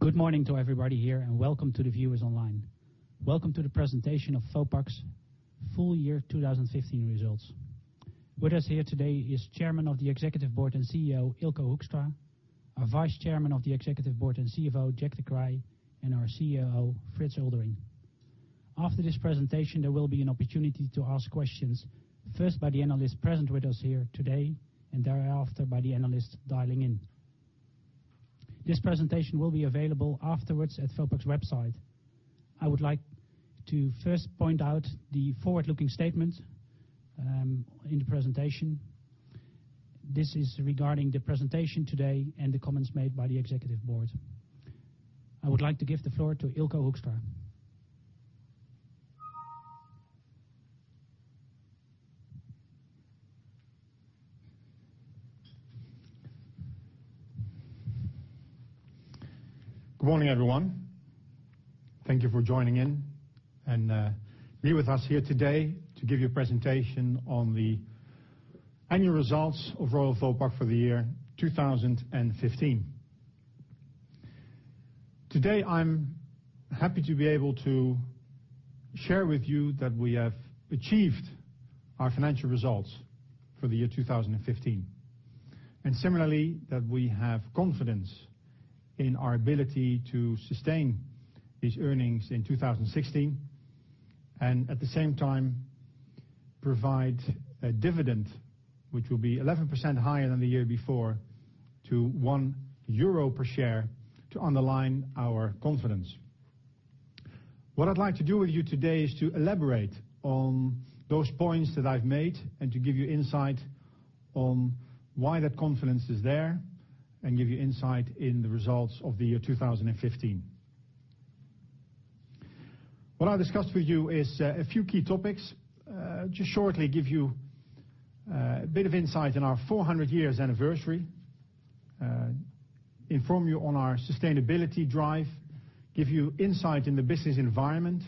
Good morning to everybody here. Welcome to the viewers online. Welcome to the presentation of Vopak's full year 2015 results. With us here today is Chairman of the Executive Board and CEO, Eelco Hoekstra, our Vice-Chairman of the Executive Board and CFO, Jack de Kreij, and our COO, Frits Eulderink. After this presentation, there will be an opportunity to ask questions, first by the analysts present with us here today, and thereafter by the analysts dialing in. This presentation will be available afterwards at Vopak's website. I would like to first point out the forward-looking statement in the presentation. This is regarding the presentation today and the comments made by the Executive Board. I would like to give the floor to Eelco Hoekstra. Good morning, everyone. Thank you for joining in and be with us here today to give you a presentation on the annual results of Royal Vopak for the year 2015. Today, I'm happy to be able to share with you that we have achieved our financial results for the year 2015. Similarly, we have confidence in our ability to sustain these earnings in 2016, and at the same time provide a dividend which will be 11% higher than the year before to 1 euro per share to underline our confidence. What I'd like to do with you today is to elaborate on those points that I've made and to give you insight on why that confidence is there and give you insight in the results of the year 2015. What I'll discuss with you is a few key topics. Just shortly give you a bit of insight in our 400-year anniversary, inform you on our sustainability drive, give you insight in the business environment,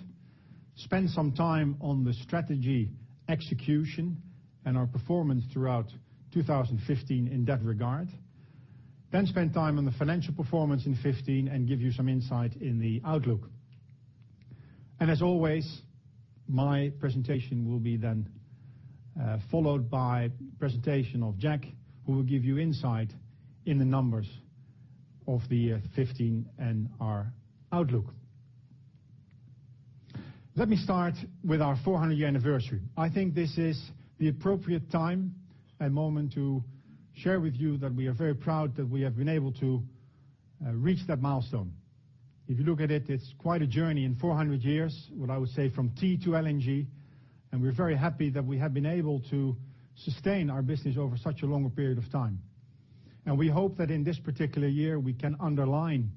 spend some time on the strategy execution and our performance throughout 2015 in that regard. Spend time on the financial performance in 2015 and give you some insight in the outlook. As always, my presentation will be then followed by presentation of Jack, who will give you insight in the numbers of the year 2015 and our outlook. Let me start with our 400-year anniversary. I think this is the appropriate time and moment to share with you that we are very proud that we have been able to reach that milestone. If you look at it's quite a journey in 400 years, what I would say from tea to LNG. We're very happy that we have been able to sustain our business over such a long period of time. We hope that in this particular year, we can underline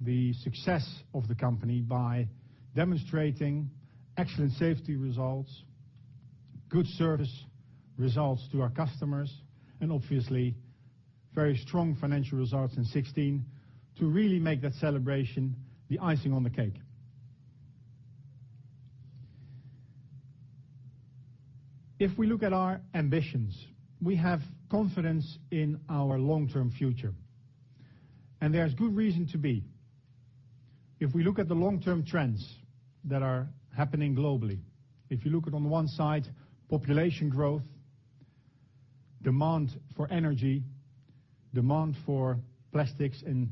the success of the company by demonstrating excellent safety results, good service results to our customers, and obviously, very strong financial results in 2016 to really make that celebration the icing on the cake. If we look at our ambitions, we have confidence in our long-term future. There's good reason to be. If we look at the long-term trends that are happening globally, if you look at on the one side, population growth, demand for energy, demand for plastics and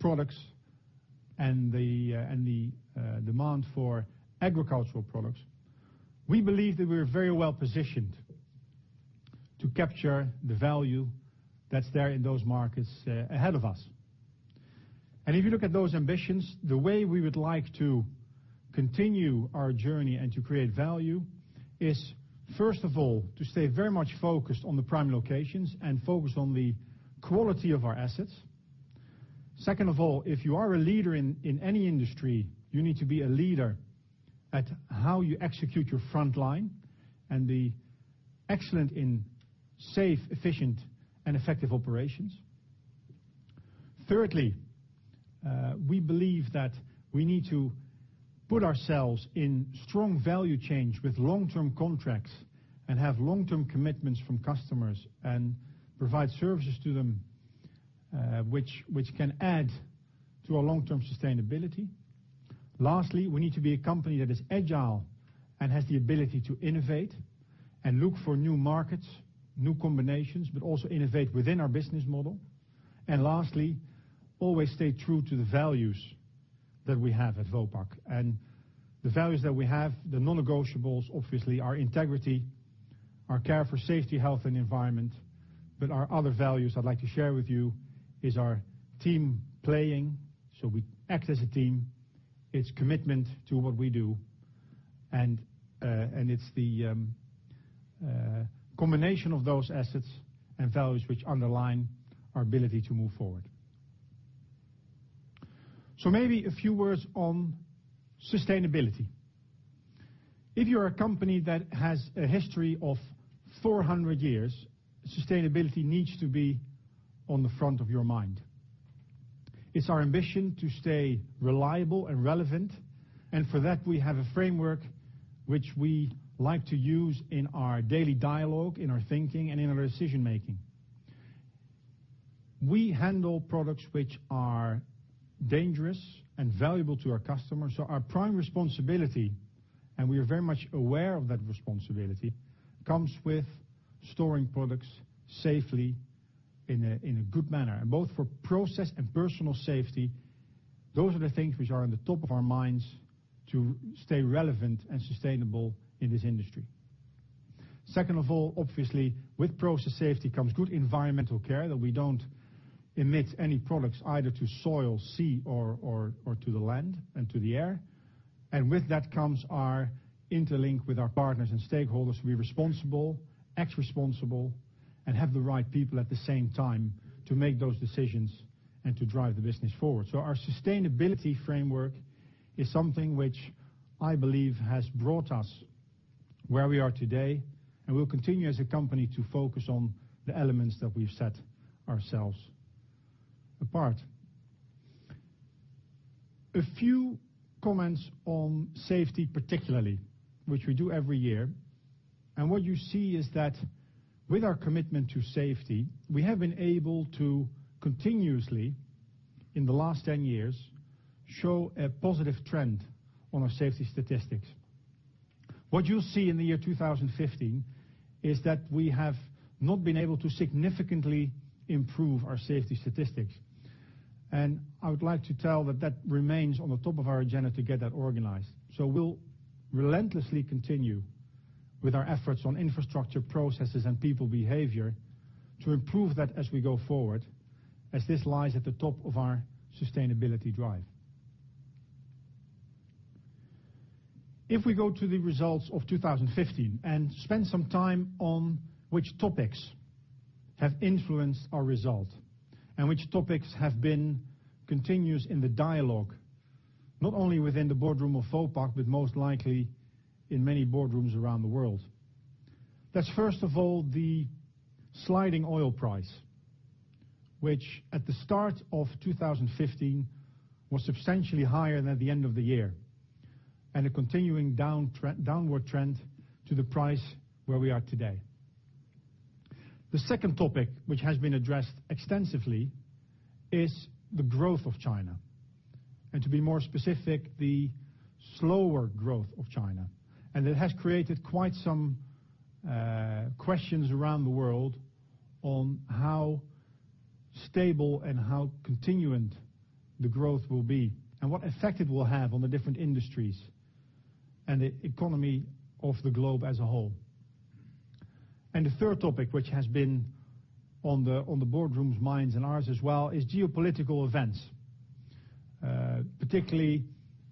products, and the demand for agricultural products, we believe that we're very well positioned to capture the value that's there in those markets ahead of us. If you look at those ambitions, the way we would like to continue our journey and to create value is, first of all, to stay very much focused on the prime locations and focused on the quality of our assets. Second of all, if you are a leader in any industry, you need to be a leader at how you execute your frontline and be excellent in safe, efficient, and effective operations. Thirdly, we believe that we need to put ourselves in strong value chain with long-term contracts and have long-term commitments from customers and provide services to them, which can add to our long-term sustainability. Lastly, we need to be a company that is agile and has the ability to innovate and look for new markets, new combinations, but also innovate within our business model. Lastly, always stay true to the values that we have at Vopak. The values that we have, the non-negotiables, obviously our integrity, our care for safety, health, and environment. Our other values I'd like to share with you is our team playing. We act as a team. It's commitment to what we do, and it's the combination of those assets and values which underline our ability to move forward. Maybe a few words on sustainability. If you're a company that has a history of 400 years, sustainability needs to be on the front of your mind. It's our ambition to stay reliable and relevant. For that, we have a framework which we like to use in our daily dialogue, in our thinking, and in our decision-making. We handle products which are dangerous and valuable to our customers. Our prime responsibility, and we are very much aware of that responsibility, comes with storing products safely in a good manner. Both for process and personal safety, those are the things which are on the top of our minds to stay relevant and sustainable in this industry. Second of all, obviously, with process safety comes good environmental care, that we don't emit any products either to soil, sea, or to the land and to the air. With that comes our interlink with our partners and stakeholders to be responsible, act responsible, and have the right people at the same time to make those decisions and to drive the business forward. Our sustainability framework is something which I believe has brought us where we are today, and we'll continue as a company to focus on the elements that we've set ourselves apart. A few comments on safety particularly, which we do every year. What you see is that with our commitment to safety, we have been able to continuously, in the last 10 years, show a positive trend on our safety statistics. What you'll see in the year 2015 is that we have not been able to significantly improve our safety statistics. I would like to tell that remains on the top of our agenda to get that organized. We'll relentlessly continue with our efforts on infrastructure, processes, and people behavior to improve that as we go forward, as this lies at the top of our sustainability drive. If we go to the results of 2015 and spend some time on which topics have influenced our result, and which topics have been continuous in the dialogue, not only within the boardroom of Vopak, but most likely in many boardrooms around the world. That's first of all the sliding oil price, which at the start of 2015 was substantially higher than at the end of the year, and a continuing downward trend to the price where we are today. The second topic, which has been addressed extensively, is the growth of China. To be more specific, the slower growth of China. It has created quite some questions around the world on how stable and how continuant the growth will be, and what effect it will have on the different industries and the economy of the globe as a whole. The third topic, which has been on the boardrooms' minds and ours as well, is geopolitical events. Particularly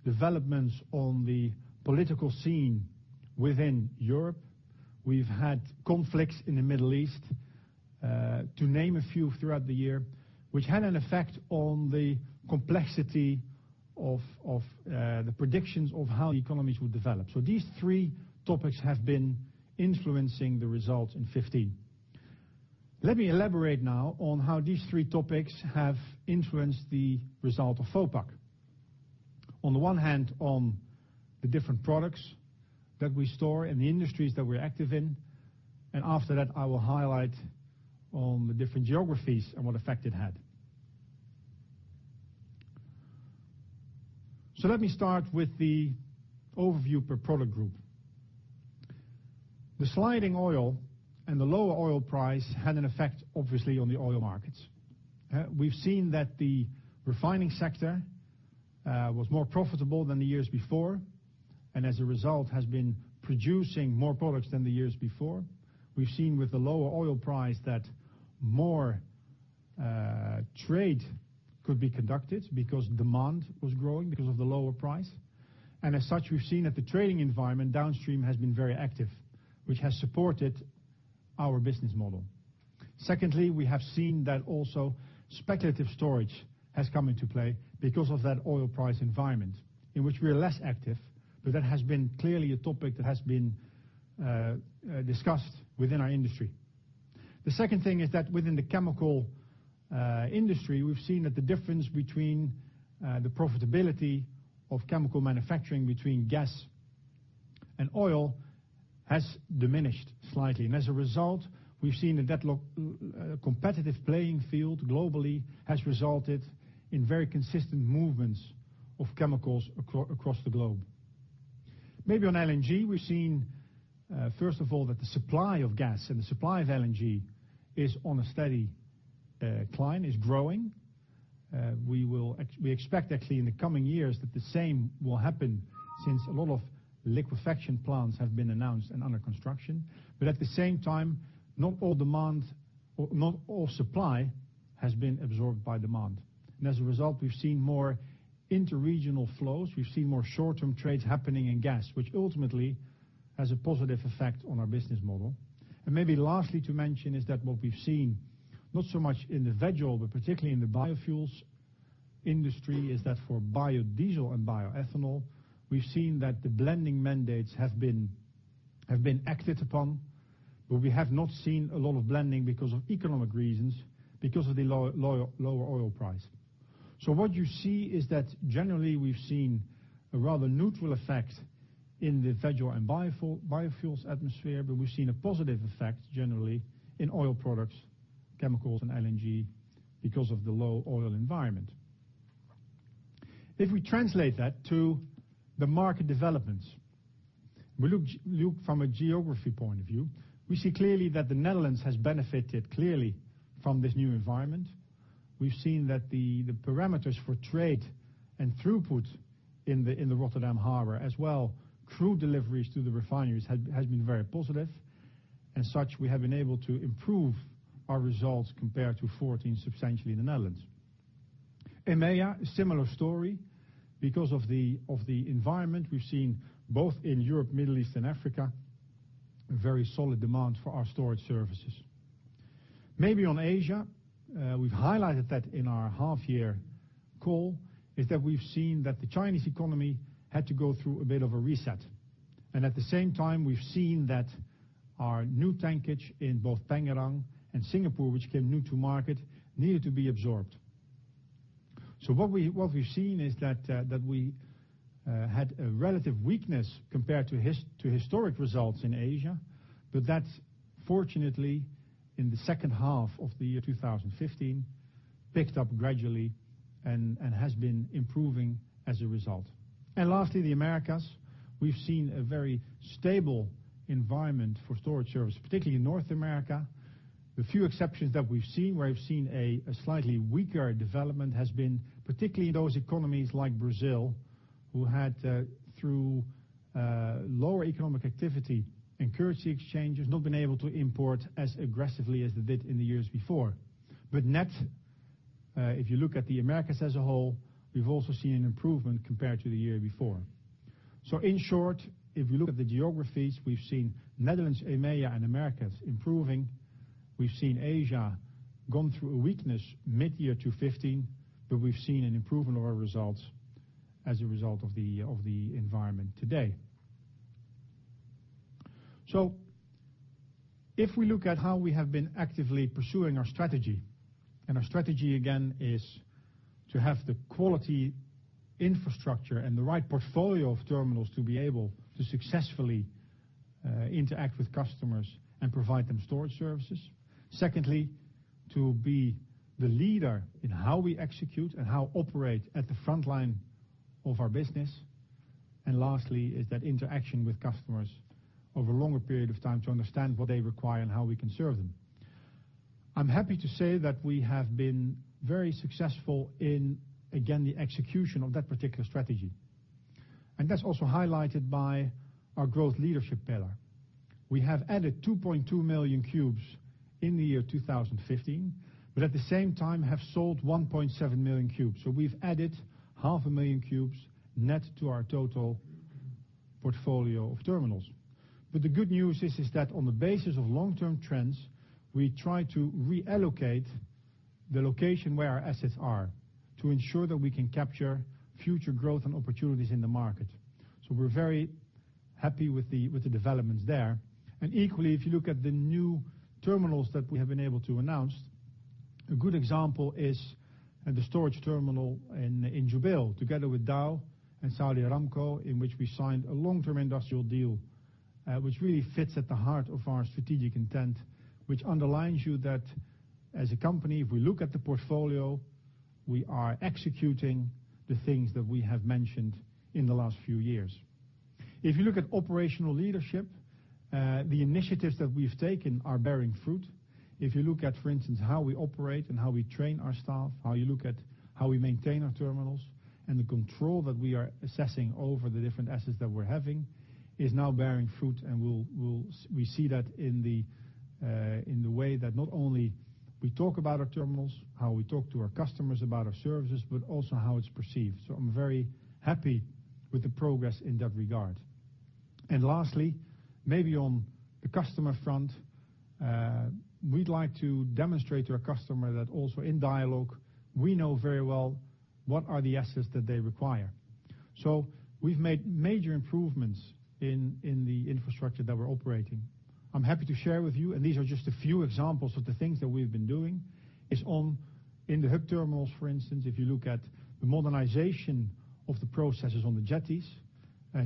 developments on the political scene within Europe. We've had conflicts in the Middle East, to name a few throughout the year, which had an effect on the complexity of the predictions of how economies would develop. These three topics have been influencing the results in 2015. Let me elaborate now on how these three topics have influenced the result of Vopak. On the one hand, on the different products that we store and the industries that we're active in, and after that, I will highlight on the different geographies and what effect it had. Let me start with the overview per product group. The sliding oil and the lower oil price had an effect, obviously, on the oil markets. We've seen that the refining sector was more profitable than the years before, and as a result, has been producing more products than the years before. We've seen with the lower oil price that more trade could be conducted because demand was growing because of the lower price. As such, we've seen that the trading environment downstream has been very active, which has supported our business model. Secondly, we have seen that also speculative storage has come into play because of that oil price environment in which we are less active, but that has been clearly a topic that has been discussed within our industry. The second thing is that within the chemical industry, we've seen that the difference between the profitability of chemical manufacturing between gas and oil has diminished slightly. As a result, we've seen a competitive playing field globally has resulted in very consistent movements of chemicals across the globe. Maybe on LNG, we've seen, first of all, that the supply of gas and the supply of LNG is on a steady climb, is growing. We expect actually in the coming years that the same will happen since a lot of liquefaction plants have been announced and under construction. At the same time, not all supply has been absorbed by demand. As a result, we've seen more interregional flows. We've seen more short-term trades happening in gas, which ultimately has a positive effect on our business model. Maybe lastly to mention is that what we've seen, not so much in the veg oil, but particularly in the biofuels industry, is that for biodiesel and bioethanol, we've seen that the blending mandates have been acted upon. We have not seen a lot of blending because of economic reasons, because of the lower oil price. What you see is that generally we've seen a rather neutral effect in the veg oil and biofuels atmosphere, but we've seen a positive effect generally in oil products, chemicals, and LNG because of the low oil environment. If we translate that to the market developments, we look from a geography point of view. We see clearly that the Netherlands has benefited clearly from this new environment. We've seen that the parameters for trade and throughput in the Rotterdam Harbor as well, crude deliveries to the refineries has been very positive. As such, we have been able to improve our results compared to 2014 substantially in the Netherlands. EMEA, similar story. Because of the environment we've seen both in Europe, Middle East, and Africa, a very solid demand for our storage services. Maybe on Asia, we've highlighted that in our half year call, is that we've seen that the Chinese economy had to go through a bit of a reset. At the same time, we've seen that our new tankage in both Pengerang and Singapore, which came new to market, needed to be absorbed. What we've seen is that we had a relative weakness compared to historic results in Asia, but that fortunately in the second half of the year 2015 picked up gradually and has been improving as a result. Lastly, the Americas. We've seen a very stable environment for storage service, particularly in North America. The few exceptions that we've seen, where we've seen a slightly weaker development, has been particularly in those economies like Brazil, who had through lower economic activity and currency exchange, has not been able to import as aggressively as they did in the years before. Net, if you look at the Americas as a whole, we've also seen an improvement compared to the year before. In short, if you look at the geographies, we've seen Netherlands, EMEA, and Americas improving. We've seen Asia gone through a weakness mid-year 2015, but we've seen an improvement of our results as a result of the environment today. If we look at how we have been actively pursuing our strategy, our strategy again is to have the quality infrastructure and the right portfolio of terminals to be able to successfully interact with customers and provide them storage services. Secondly, to be the leader in how we execute and how operate at the front line of our business. Lastly, is that interaction with customers over a longer period of time to understand what they require and how we can serve them. I'm happy to say that we have been very successful in, again, the execution of that particular strategy, and that's also highlighted by our growth leadership pillar. We have added 2.2 million cubes in the year 2015, but at the same time have sold 1.7 million cubes. We've added half a million cubes net to our total portfolio of terminals. The good news is that on the basis of long-term trends, we try to reallocate the location where our assets are to ensure that we can capture future growth and opportunities in the market. We're very happy with the developments there. Equally, if you look at the new terminals that we have been able to announce, a good example is the storage terminal in Jubail, together with Dow and Saudi Aramco, in which we signed a long-term industrial deal, which really fits at the heart of our strategic intent. Which underlines you that as a company, if we look at the portfolio, we are executing the things that we have mentioned in the last few years. If you look at operational leadership, the initiatives that we've taken are bearing fruit. If you look at, for instance, how we operate and how we train our staff, or you look at how we maintain our terminals and the control that we are assessing over the different assets that we're having, is now bearing fruit and we see that in the way that not only we talk about our terminals, how we talk to our customers about our services, but also how it's perceived. I'm very happy with the progress in that regard. Lastly, maybe on the customer front, we'd like to demonstrate to our customer that also in dialogue, we know very well what are the assets that they require. We've made major improvements in the infrastructure that we're operating. I'm happy to share with you, and these are just a few examples of the things that we've been doing, is in the hub terminals, for instance, if you look at the modernization of the processes on the jetties.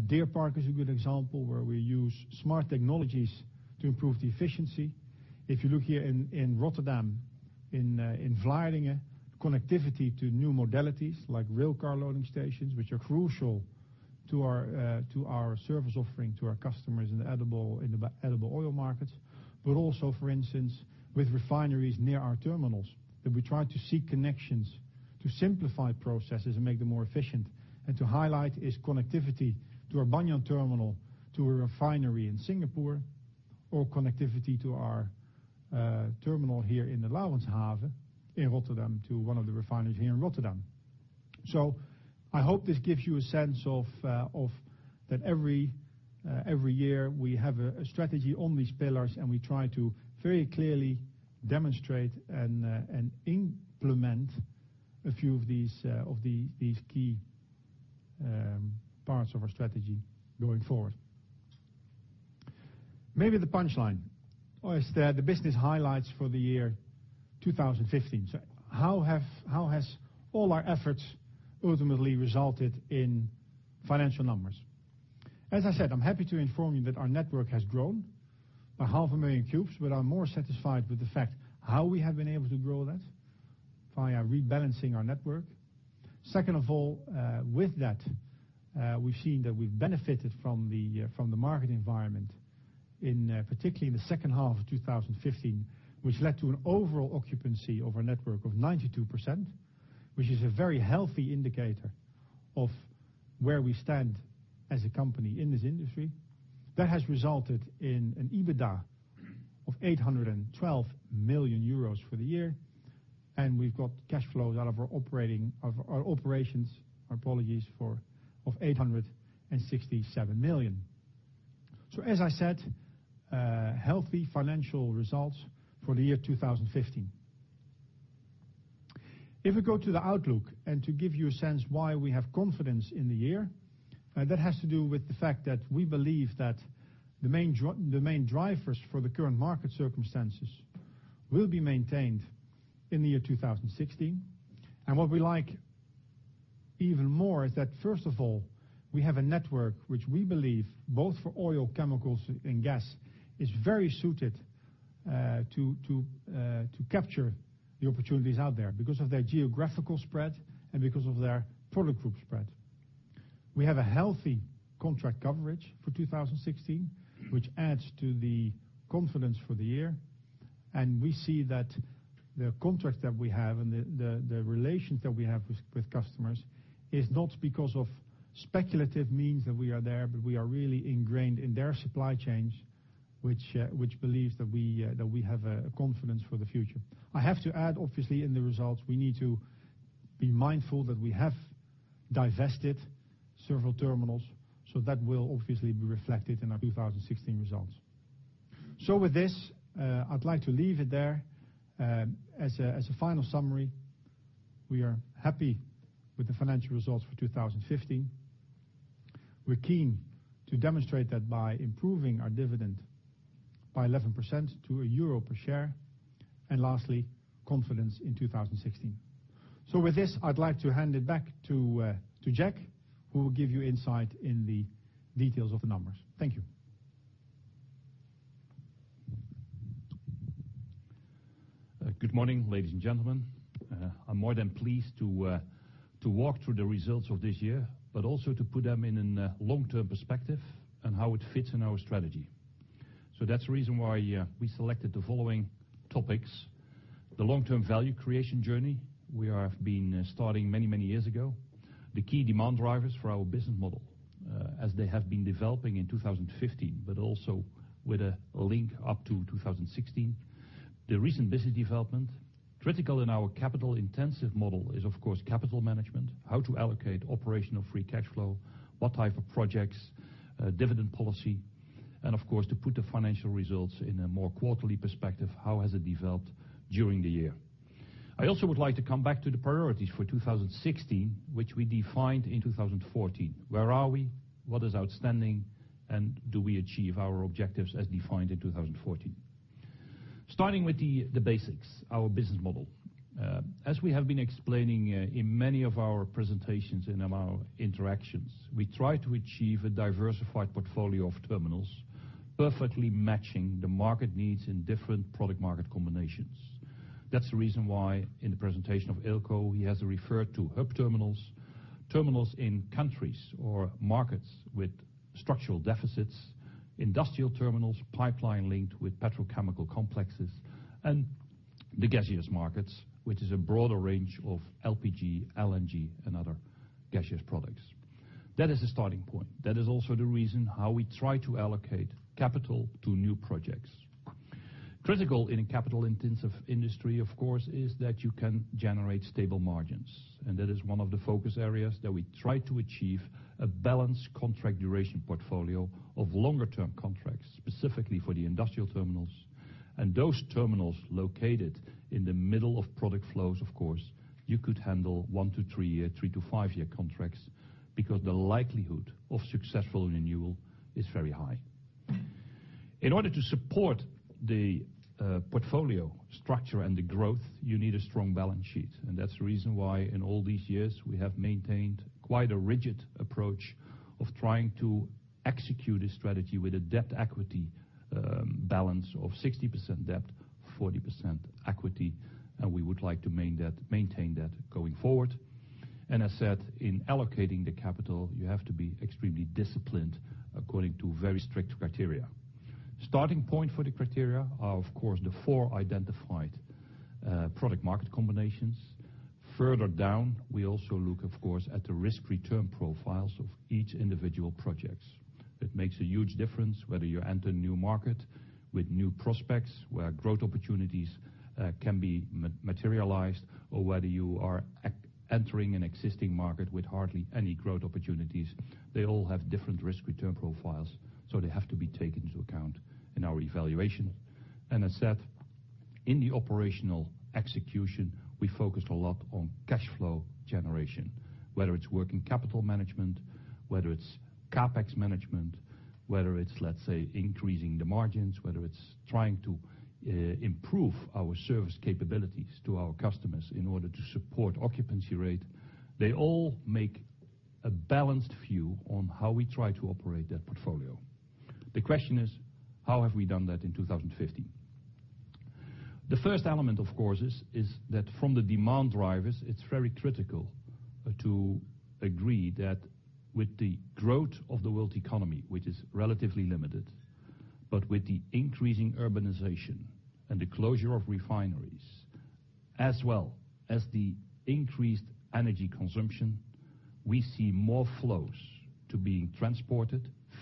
Deer Park is a good example, where we use smart technologies to improve the efficiency. If you look here in Rotterdam, in Vlissingen, connectivity to new modalities like rail car loading stations, which are crucial to our service offering to our customers in the edible oil markets. Also, for instance, with refineries near our terminals, that we try to seek connections to simplify processes and make them more efficient. To highlight its connectivity to our Banyan terminal, to a refinery in Singapore, or connectivity to our terminal here in the Laurenshaven in Rotterdam to one of the refineries here in Rotterdam. I hope this gives you a sense of that every year we have a strategy on these pillars, and we try to very clearly demonstrate and implement a few of these key parts of our strategy going forward. Maybe the punchline is that the business highlights for the year 2015. How has all our efforts ultimately resulted in financial numbers? As I said, I'm happy to inform you that our network has grown by half a million cubes, I'm more satisfied with the fact how we have been able to grow that via rebalancing our network. Second of all, with that, we've seen that we've benefited from the market environment in particularly in the second half of 2015, which led to an overall occupancy of our network of 92%, which is a very healthy indicator of where we stand as a company in this industry. That has resulted in an EBITDA of 812 million euros for the year, and we've got cash flows out of our operations, my apologies, of 867 million. As I said, healthy financial results for the year 2015. If we go to the outlook and to give you a sense why we have confidence in the year, that has to do with the fact that we believe that the main drivers for the current market circumstances will be maintained in the year 2016. What we like even more is that, first of all, we have a network which we believe both for oil, chemicals, and gas is very suited to capture the opportunities out there because of their geographical spread and because of their product group spread. We have a healthy contract coverage for 2016, which adds to the confidence for the year. We see that the contracts that we have and the relations that we have with customers is not because of speculative means that we are there, but we are really ingrained in their supply chains, which believes that we have a confidence for the future. I have to add, obviously, in the results, we need to be mindful that we have divested several terminals. That will obviously be reflected in our 2016 results. With this, I'd like to leave it there. As a final summary, we are happy with the financial results for 2015. We're keen to demonstrate that by improving our dividend by 11% to EUR 1 per share. Lastly, confidence in 2016. With this, I'd like to hand it back to Jack, who will give you insight in the details of the numbers. Thank you. Good morning, ladies and gentlemen. I'm more than pleased to walk through the results of this year, but also to put them in a long-term perspective and how it fits in our strategy. That's the reason why we selected the following topics, the long-term value creation journey we have been starting many years ago. The key demand drivers for our business model as they have been developing in 2015, but also with a link up to 2016. The recent business development. Critical in our capital-intensive model is, of course, capital management, how to allocate operational free cash flow, what type of projects, dividend policy, and of course, to put the financial results in a more quarterly perspective, how has it developed during the year? I also would like to come back to the priorities for 2016, which we defined in 2014. Where are we? What is outstanding, do we achieve our objectives as defined in 2014? Starting with the basics, our business model. As we have been explaining in many of our presentations and in our interactions, we try to achieve a diversified portfolio of terminals, perfectly matching the market needs in different product market combinations. That's the reason why in the presentation of Eelco, he has referred to hub terminals in countries or markets with structural deficits, industrial terminals, pipeline linked with petrochemical complexes, and the gaseous markets, which is a broader range of LPG, LNG, and other gaseous products. That is a starting point. That is also the reason how we try to allocate capital to new projects. Critical in a capital-intensive industry, of course, is that you can generate stable margins. That is one of the focus areas that we try to achieve a balanced contract duration portfolio of longer-term contracts, specifically for the industrial terminals. Those terminals located in the middle of product flows, of course, you could handle one to three year, three to five year contracts because the likelihood of successful renewal is very high. In order to support the portfolio structure and the growth, you need a strong balance sheet. That's the reason why in all these years, we have maintained quite a rigid approach of trying to execute a strategy with a debt equity balance of 60% debt, 40% equity. We would like to maintain that going forward. As said, in allocating the capital, you have to be extremely disciplined according to very strict criteria. Starting point for the criteria are, of course, the four identified product market combinations. Further down, we also look, of course, at the risk-return profiles of each individual projects. It makes a huge difference whether you enter a new market with new prospects where growth opportunities can be materialized, or whether you are entering an existing market with hardly any growth opportunities. They all have different risk-return profiles, so they have to be taken into account in our evaluation. As said, in the operational execution, we focused a lot on cash flow generation, whether it's working capital management, whether it's CapEx management, whether it's increasing the margins, whether it's trying to improve our service capabilities to our customers in order to support occupancy rate. They all make a balanced view on how we try to operate that portfolio. The question is, how have we done that in 2015? The first element, of course, is that from the demand drivers, it's very critical to agree that with the growth of the world economy, which is relatively limited, but with the increasing urbanization and the closure of refineries, as well as the increased energy consumption, we see more flows to being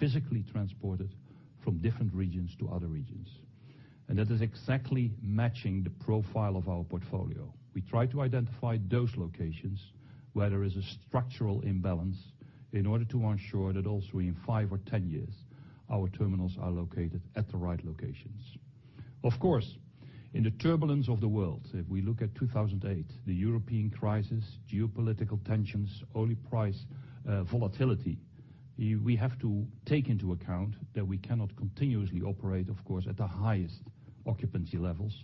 physically transported from different regions to other regions. That is exactly matching the profile of our portfolio. We try to identify those locations where there is a structural imbalance in order to ensure that also in five or 10 years, our terminals are located at the right locations. Of course, in the turbulence of the world, if we look at 2008, the European crisis, geopolitical tensions, oil price volatility, we have to take into account that we cannot continuously operate, of course, at the highest occupancy levels.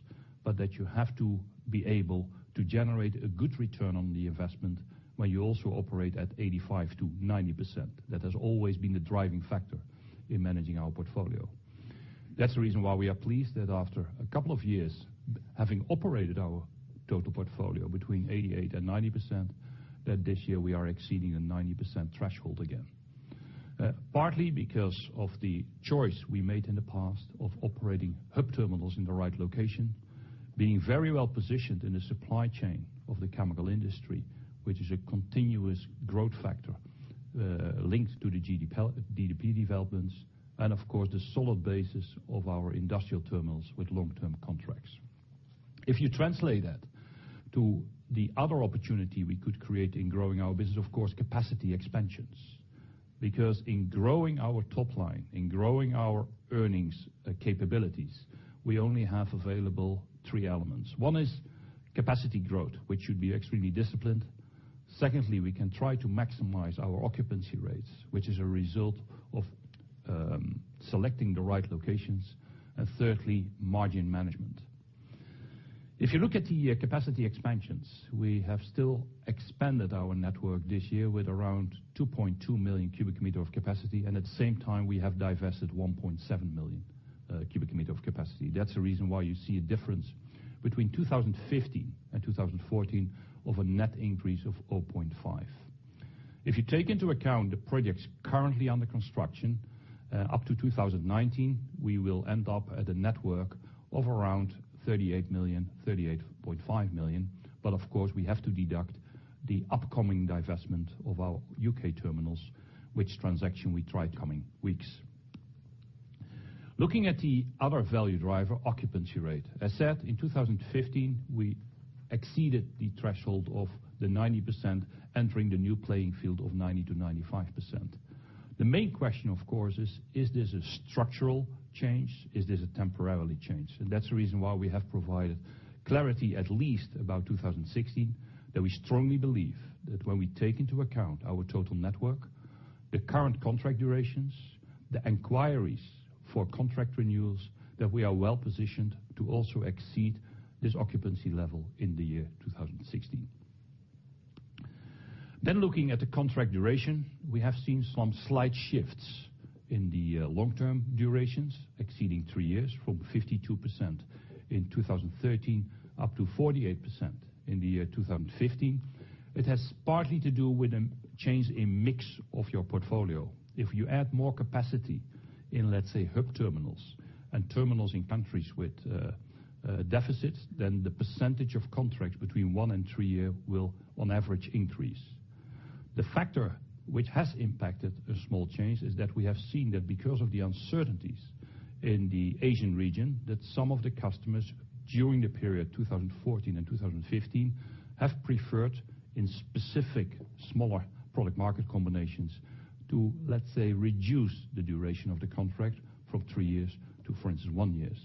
That you have to be able to generate a good return on the investment, where you also operate at 85%-90%. That has always been the driving factor in managing our portfolio. That's the reason why we are pleased that after a couple of years, having operated our total portfolio between 88% and 90%, that this year we are exceeding the 90% threshold again. Partly because of the choice we made in the past of operating hub terminals in the right location, being very well positioned in the supply chain of the chemical industry, which is a continuous growth factor linked to the GDP developments. Of course, the solid basis of our industrial terminals with long-term contracts. If you translate that to the other opportunity we could create in growing our business, of course, capacity expansions. In growing our top line, in growing our earnings capabilities, we only have available three elements. One is capacity growth, which should be extremely disciplined. Secondly, we can try to maximize our occupancy rates, which is a result of selecting the right locations. Thirdly, margin management. If you look at the capacity expansions, we have still expanded our network this year with around 2.2 million cubic meter of capacity, and at the same time, we have divested 1.7 million cubic meter of capacity. That's the reason why you see a difference between 2015 and 2014 of a net increase of 0.5. If you take into account the projects currently under construction, up to 2019, we will end up at a network of around 38 million, 38.5 million. Of course, we have to deduct the upcoming divestment of our U.K. terminals, which transaction we try coming weeks. Looking at the other value driver, occupancy rate. As said, in 2015, we exceeded the threshold of the 90% entering the new playing field of 90%-95%. The main question, of course, is this a structural change? Is this a temporarily change? That's the reason why we have provided clarity at least about 2016, that we strongly believe that when we take into account our total network, the current contract durations, the inquiries for contract renewals, that we are well-positioned to also exceed this occupancy level in the year 2016. Looking at the contract duration, we have seen some slight shifts in the long-term durations exceeding three years from 52% in 2013 up to 48% in the year 2015. It has partly to do with a change in mix of your portfolio. If you add more capacity in, let's say, hub terminals and terminals in countries with deficits, then the percentage of contracts between one and three year will on average increase. The factor which has impacted a small change is that we have seen that because of the uncertainties in the Asian region, that some of the customers during the period 2014 and 2015 have preferred in specific smaller product market combinations to, let's say, reduce the duration of the contract from three years to, for instance, one years.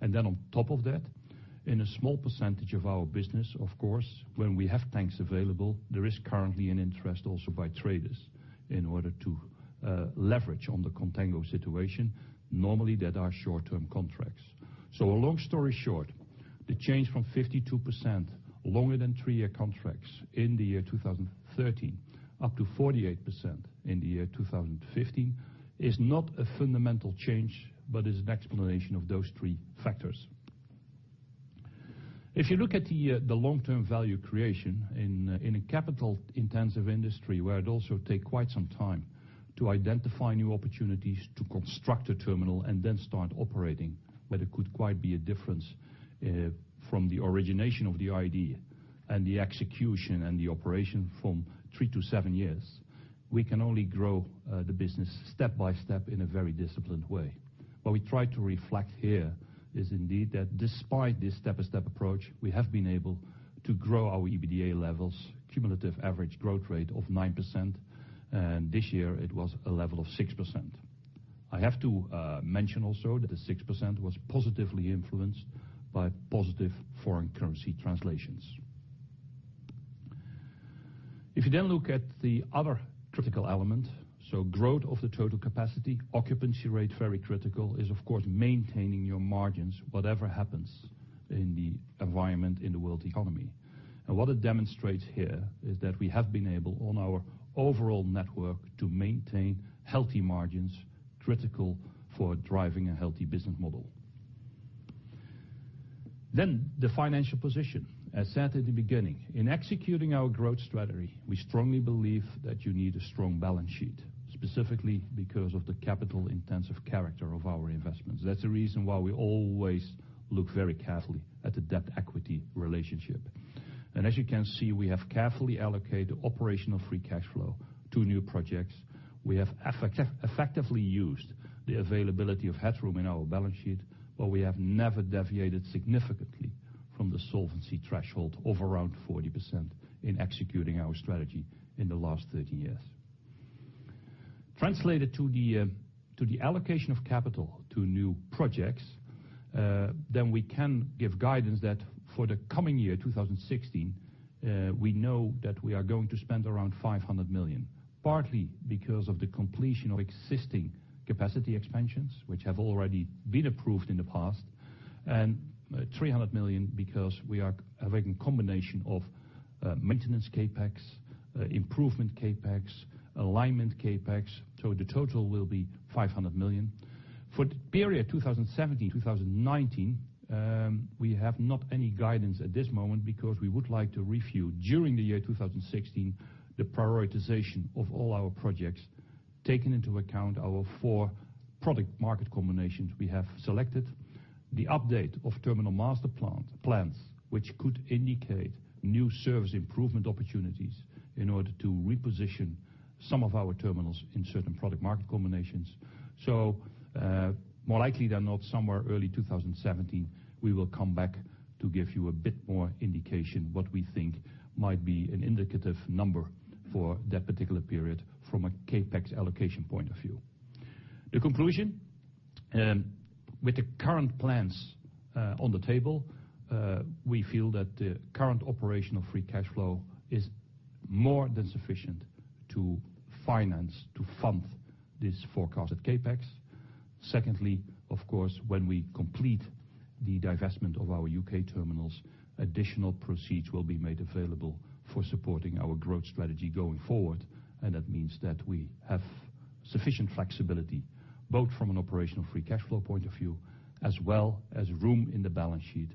Then on top of that, in a small percentage of our business, of course, when we have tanks available, there is currently an interest also by traders in order to leverage on the contango situation, normally that are short-term contracts. A long story short, the change from 52% longer than three-year contracts in 2013, up to 48% in 2015 is not a fundamental change, but is an explanation of those three factors. If you look at the long-term value creation in a capital-intensive industry where it also take quite some time to identify new opportunities to construct a terminal and then start operating, but it could quite be a difference from the origination of the idea and the execution and the operation from three to seven years. We can only grow the business step by step in a very disciplined way. What we try to reflect here is indeed that despite this step-by-step approach, we have been able to grow our EBITDA levels cumulative average growth rate of 9%, and this year it was a level of 6%. I have to mention also that the 6% was positively influenced by positive foreign currency translations. If you look at the other critical element, growth of the total capacity, occupancy rate, very critical, is of course maintaining your margins, whatever happens in the environment, in the world economy. What it demonstrates here is that we have been able, on our overall network, to maintain healthy margins, critical for driving a healthy business model. The financial position. As said at the beginning, in executing our growth strategy, we strongly believe that you need a strong balance sheet, specifically because of the capital-intensive character of our investments. That's the reason why we always look very carefully at the debt equity relationship. As you can see, we have carefully allocated operational free cash flow to new projects. We have effectively used the availability of headroom in our balance sheet, we have never deviated significantly from the solvency threshold of around 40% in executing our strategy in the last 30 years. Translated to the allocation of capital to new projects, we can give guidance that for the coming year, 2016, we know that we are going to spend around 500 million, partly because of the completion of existing capacity expansions, which have already been approved in the past, and 300 million because we are having a combination of maintenance CapEx, improvement CapEx, alignment CapEx. The total will be 500 million. For the period 2017-2019, we have not any guidance at this moment because we would like to review, during 2016, the prioritization of all our projects, taking into account our four product market combinations we have selected. The update of terminal master plans, which could indicate new service improvement opportunities in order to reposition some of our terminals in certain product market combinations. More likely than not, somewhere early 2017, we will come back to give you a bit more indication what we think might be an indicative number for that particular period from a CapEx allocation point of view. The conclusion, with the current plans on the table, we feel that the current operational free cash flow is more than sufficient to finance, to fund this forecasted CapEx. Secondly, of course, when we complete the divestment of our U.K. terminals, additional proceeds will be made available for supporting our growth strategy going forward. That means that we have sufficient flexibility, both from an operational free cash flow point of view, as well as room in the balance sheet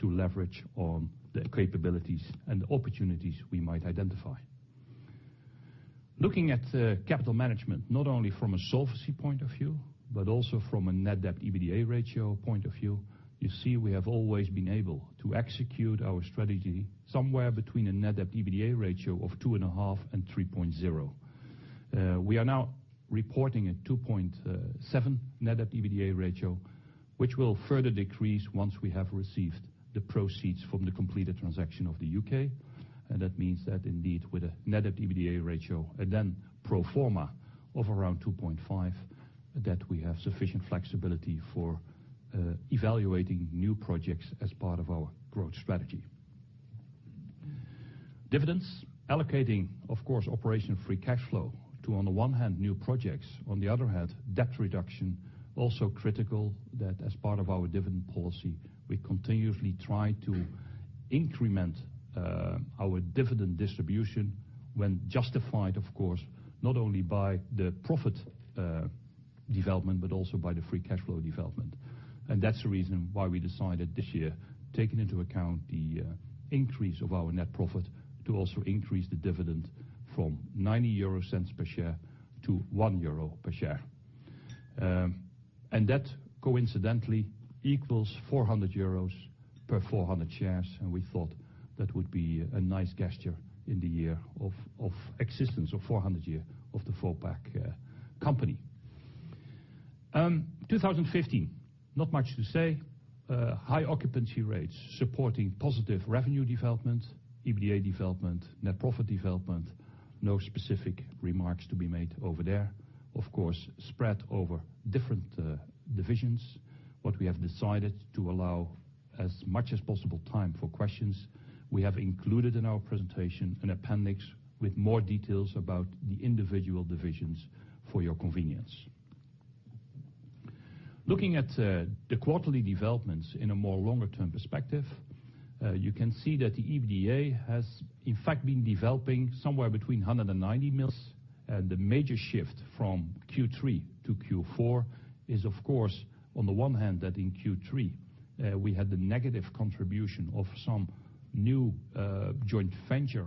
to leverage on the capabilities and opportunities we might identify. Looking at capital management, not only from a solvency point of view, but also from a net debt-to-EBITDA ratio point of view, you see we have always been able to execute our strategy somewhere between a net debt-to-EBITDA ratio of 2.5 and 3.0. We are now reporting a 2.7 net debt-to-EBITDA ratio, which will further decrease once we have received the proceeds from the completed transaction of the U.K. That means that indeed with a net debt-to-EBITDA ratio and then pro forma of around 2.5, that we have sufficient flexibility for evaluating new projects as part of our growth strategy. Dividends. Allocating, of course, operational free cash flow to, on the one hand, new projects, on the other hand, debt reduction, also critical that as part of our dividend policy, we continuously try to increment our dividend distribution when justified, of course, not only by the profit development, but also by the free cash flow development. That's the reason why we decided this year, taking into account the increase of our net profit, to also increase the dividend from 0.90 per share to 1 euro per share. That coincidentally equals 400 euros per 400 shares, and we thought that would be a nice gesture in the year of existence, of 400 year of the Vopak company. 2015, not much to say. High occupancy rates supporting positive revenue development, EBITDA development, net profit development. No specific remarks to be made over there. Of course, spread over different divisions. What we have decided to allow as much as possible time for questions. We have included in our presentation an appendix with more details about the individual divisions for your convenience. Looking at the quarterly developments in a more longer term perspective, you can see that the EBITDA has in fact been developing somewhere between 190 million, and the major shift from Q3 to Q4 is, of course, on the one hand, that in Q3 we had the negative contribution of some new joint venture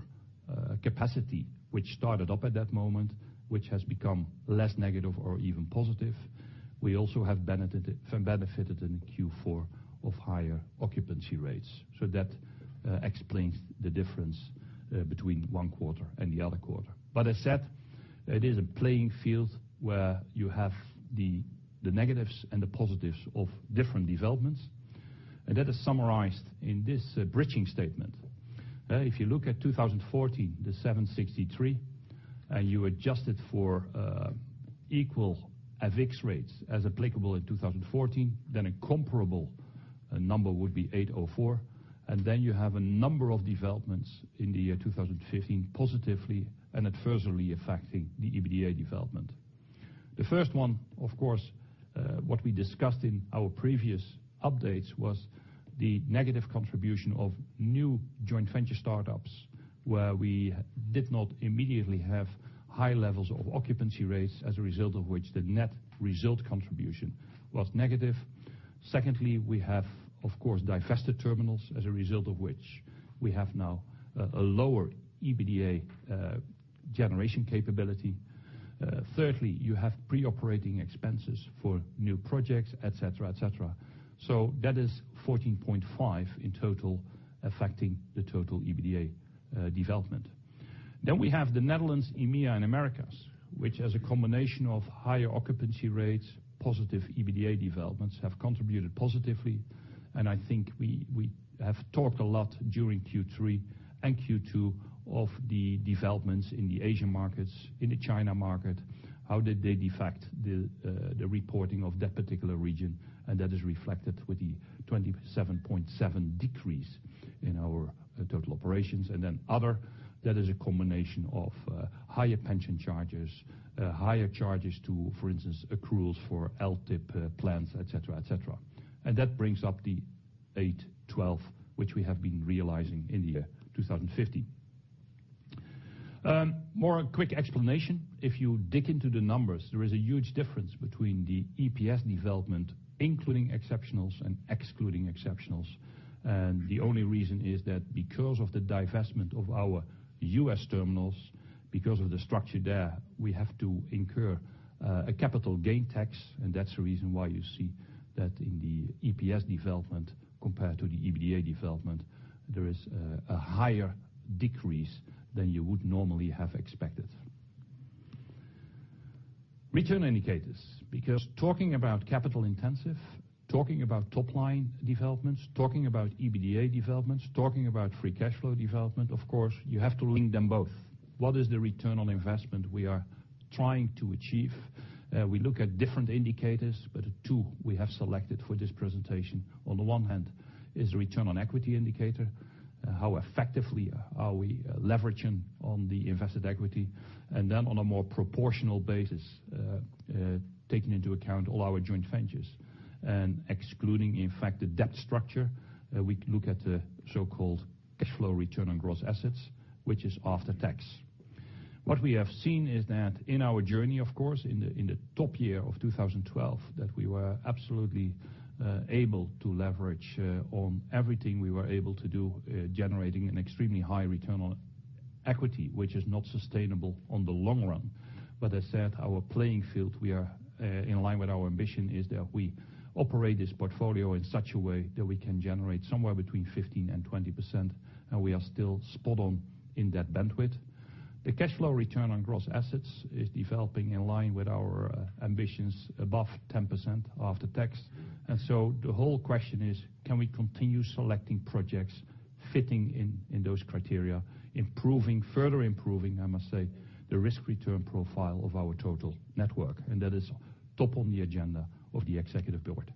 capacity, which started up at that moment, which has become less negative or even positive. We also have benefited in Q4 of higher occupancy rates. So that explains the difference between one quarter and the other quarter. As said, it is a playing field where you have the negatives and the positives of different developments. That is summarized in this bridging statement. If you look at 2014, the 763, and you adjust it for equal FX rates as applicable in 2014, then a comparable number would be 804. Then you have a number of developments in the year 2015 positively and adversely affecting the EBITDA development. The first one, of course, what we discussed in our previous updates, was the negative contribution of new joint venture startups where we did not immediately have high levels of occupancy rates, as a result of which the net result contribution was negative. Secondly, we have, of course, divested terminals, as a result of which we have now a lower EBITDA generation capability. Thirdly, you have pre-operating expenses for new projects, et cetera. So that is 14.5 in total affecting the total EBITDA development. We have the Netherlands, EMEA, and Americas, which, as a combination of higher occupancy rates, positive EBITDA developments, have contributed positively. I think we have talked a lot during Q3 and Q2 of the developments in the Asian markets, in the China market, how did they affect the reporting of that particular region. That is reflected with the 27.7 decrease in our total operations. Other, that is a combination of higher pension charges, higher charges to, for instance, accruals for LTIP plans, et cetera. That brings up the 812, which we have been realizing in the year 2015. More quick explanation. If you dig into the numbers, there is a huge difference between the EPS development, including exceptionals and excluding exceptionals. The only reason is that because of the divestment of our U.S. terminals, because of the structure there, we have to incur a capital gain tax. That's the reason why you see that in the EPS development compared to the EBITDA development, there is a higher decrease than you would normally have expected. Return indicators. Because talking about capital intensive, talking about top-line developments, talking about EBITDA developments, talking about free cash flow development, of course, you have to link them both. What is the return on investment we are trying to achieve? We look at different indicators, but two we have selected for this presentation. On the one hand is the return on equity indicator. How effectively are we leveraging on the invested equity? On a more proportional basis, taking into account all our joint ventures and excluding, in fact, the debt structure, we look at the so-called cash flow return on gross assets, which is after tax. What we have seen is that in our journey, of course, in the top year of 2012, that we were absolutely able to leverage on everything we were able to do, generating an extremely high return on equity, which is not sustainable on the long run. As said, our playing field, we are in line with our ambition is that we operate this portfolio in such a way that we can generate somewhere between 15%-20%, and we are still spot on in that bandwidth. The cash flow return on gross assets is developing in line with our ambitions above 10% after tax. The whole question is, can we continue selecting projects fitting in those criteria, further improving, I must say, the risk-return profile of our total network? That is top on the agenda of the Executive Board.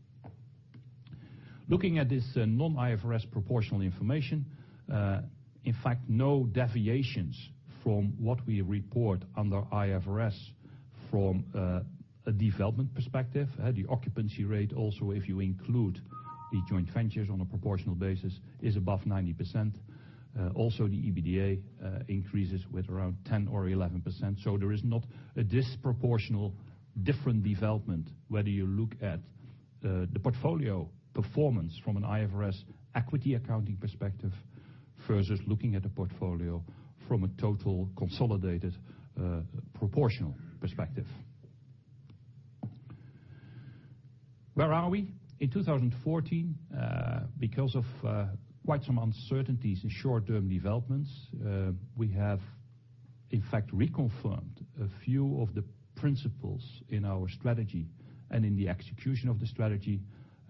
Looking at this non-IFRS proportional information, in fact, no deviations from what we report under IFRS from a development perspective. The occupancy rate, also, if you include the joint ventures on a proportional basis, is above 90%. The EBITDA increases with around 10% or 11%. There is not a disproportional different development, whether you look at the portfolio performance from an IFRS equity accounting perspective versus looking at a portfolio from a total consolidated proportional perspective. Where are we? In 2014, because of quite some uncertainties in short-term developments, we have in fact reconfirmed a few of the principles in our strategy and in the execution of the strategy.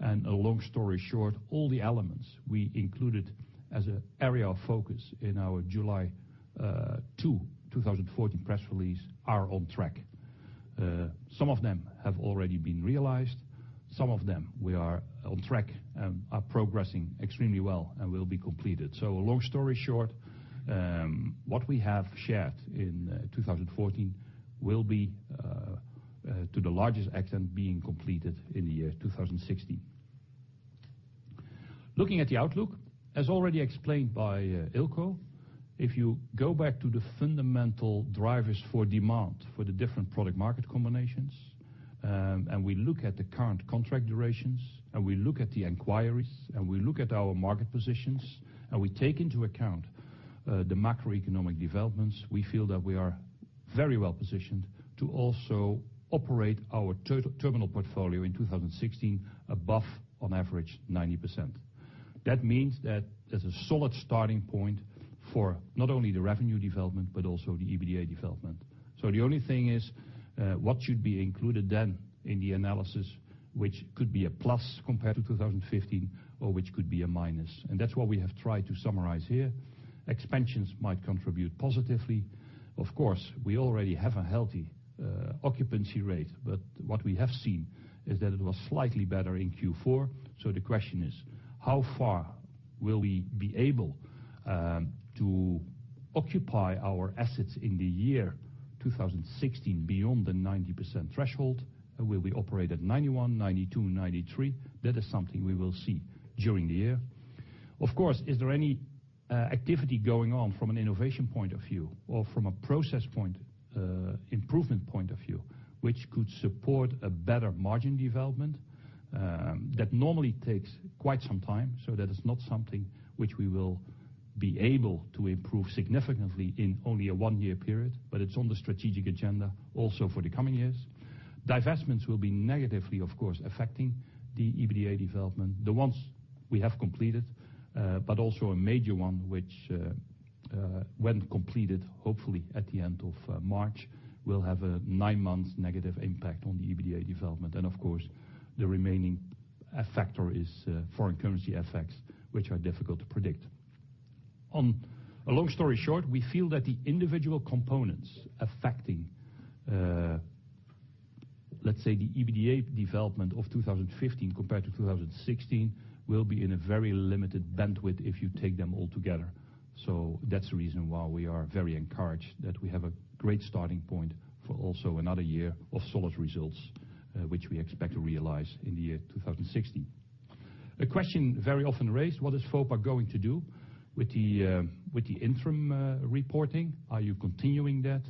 A long story short, all the elements we included as an area of focus in our July 2, 2014 press release are on track. Some of them have already been realized. Some of them we are on track and are progressing extremely well and will be completed. A long story short, what we have shared in 2014 will be to the largest extent being completed in the year 2016. Looking at the outlook, as already explained by Eelco, if you go back to the fundamental drivers for demand for the different product market combinations, and we look at the current contract durations, and we look at the inquiries, and we look at our market positions, and we take into account the macroeconomic developments, we feel that we are very well positioned to also operate our terminal portfolio in 2016 above on average 90%. That means that there's a solid starting point for not only the revenue development, but also the EBITDA development. The only thing is what should be included then in the analysis, which could be a plus compared to 2015 or which could be a minus, and that's what we have tried to summarize here. Expansions might contribute positively. Of course, we already have a healthy occupancy rate, but what we have seen is that it was slightly better in Q4. The question is, how far will we be able to occupy our assets in the year 2016 beyond the 90% threshold? Will we operate at 91, 92, 93? That is something we will see during the year. Of course, is there any activity going on from an innovation point of view or from a process improvement point of view, which could support a better margin development? That normally takes quite some time, that is not something which we will be able to improve significantly in only a one-year period, but it's on the strategic agenda also for the coming years. Divestments will be negatively, of course, affecting the EBITDA development, the ones we have completed, but also a major one which when completed, hopefully at the end of March, will have a nine-month negative impact on the EBITDA development. And of course, the remaining factor is foreign currency effects, which are difficult to predict. A long story short, we feel that the individual components affecting, let's say, the EBITDA development of 2015 compared to 2016, will be in a very limited bandwidth if you take them all together. That's the reason why we are very encouraged that we have a great starting point for also another year of solid results, which we expect to realize in the year 2016. A question very often raised, what is Vopak going to do with the interim reporting? Are you continuing that?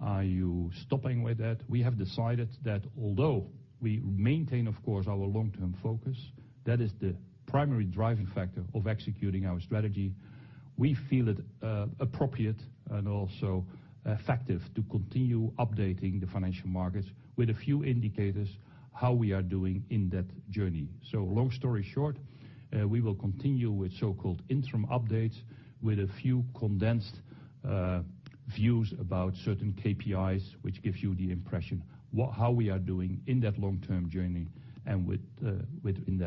Are you stopping with that? We have decided that although we maintain, of course, our long-term focus, that is the primary driving factor of executing our strategy. We feel it appropriate and also effective to continue updating the financial markets with a few indicators how we are doing in that journey. A long story short, we will continue with so-called interim updates, with a few condensed views about certain KPIs, which gives you the impression how we are doing in that long-term journey and within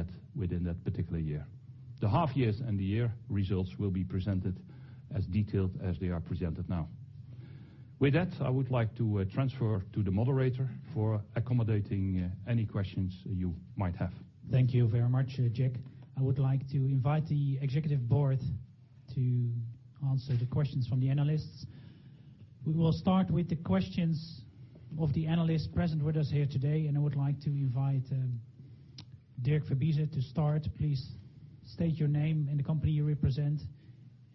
that particular year. The half years and the year results will be presented as detailed as they are presented now. With that, I would like to transfer to the moderator for accommodating any questions you might have. Thank you very much, Jack. I would like to invite the executive board to answer the questions from the analysts. We will start with the questions of the analysts present with us here today. I would like to invite Dirk Verbiest to start. Please state your name and the company you represent.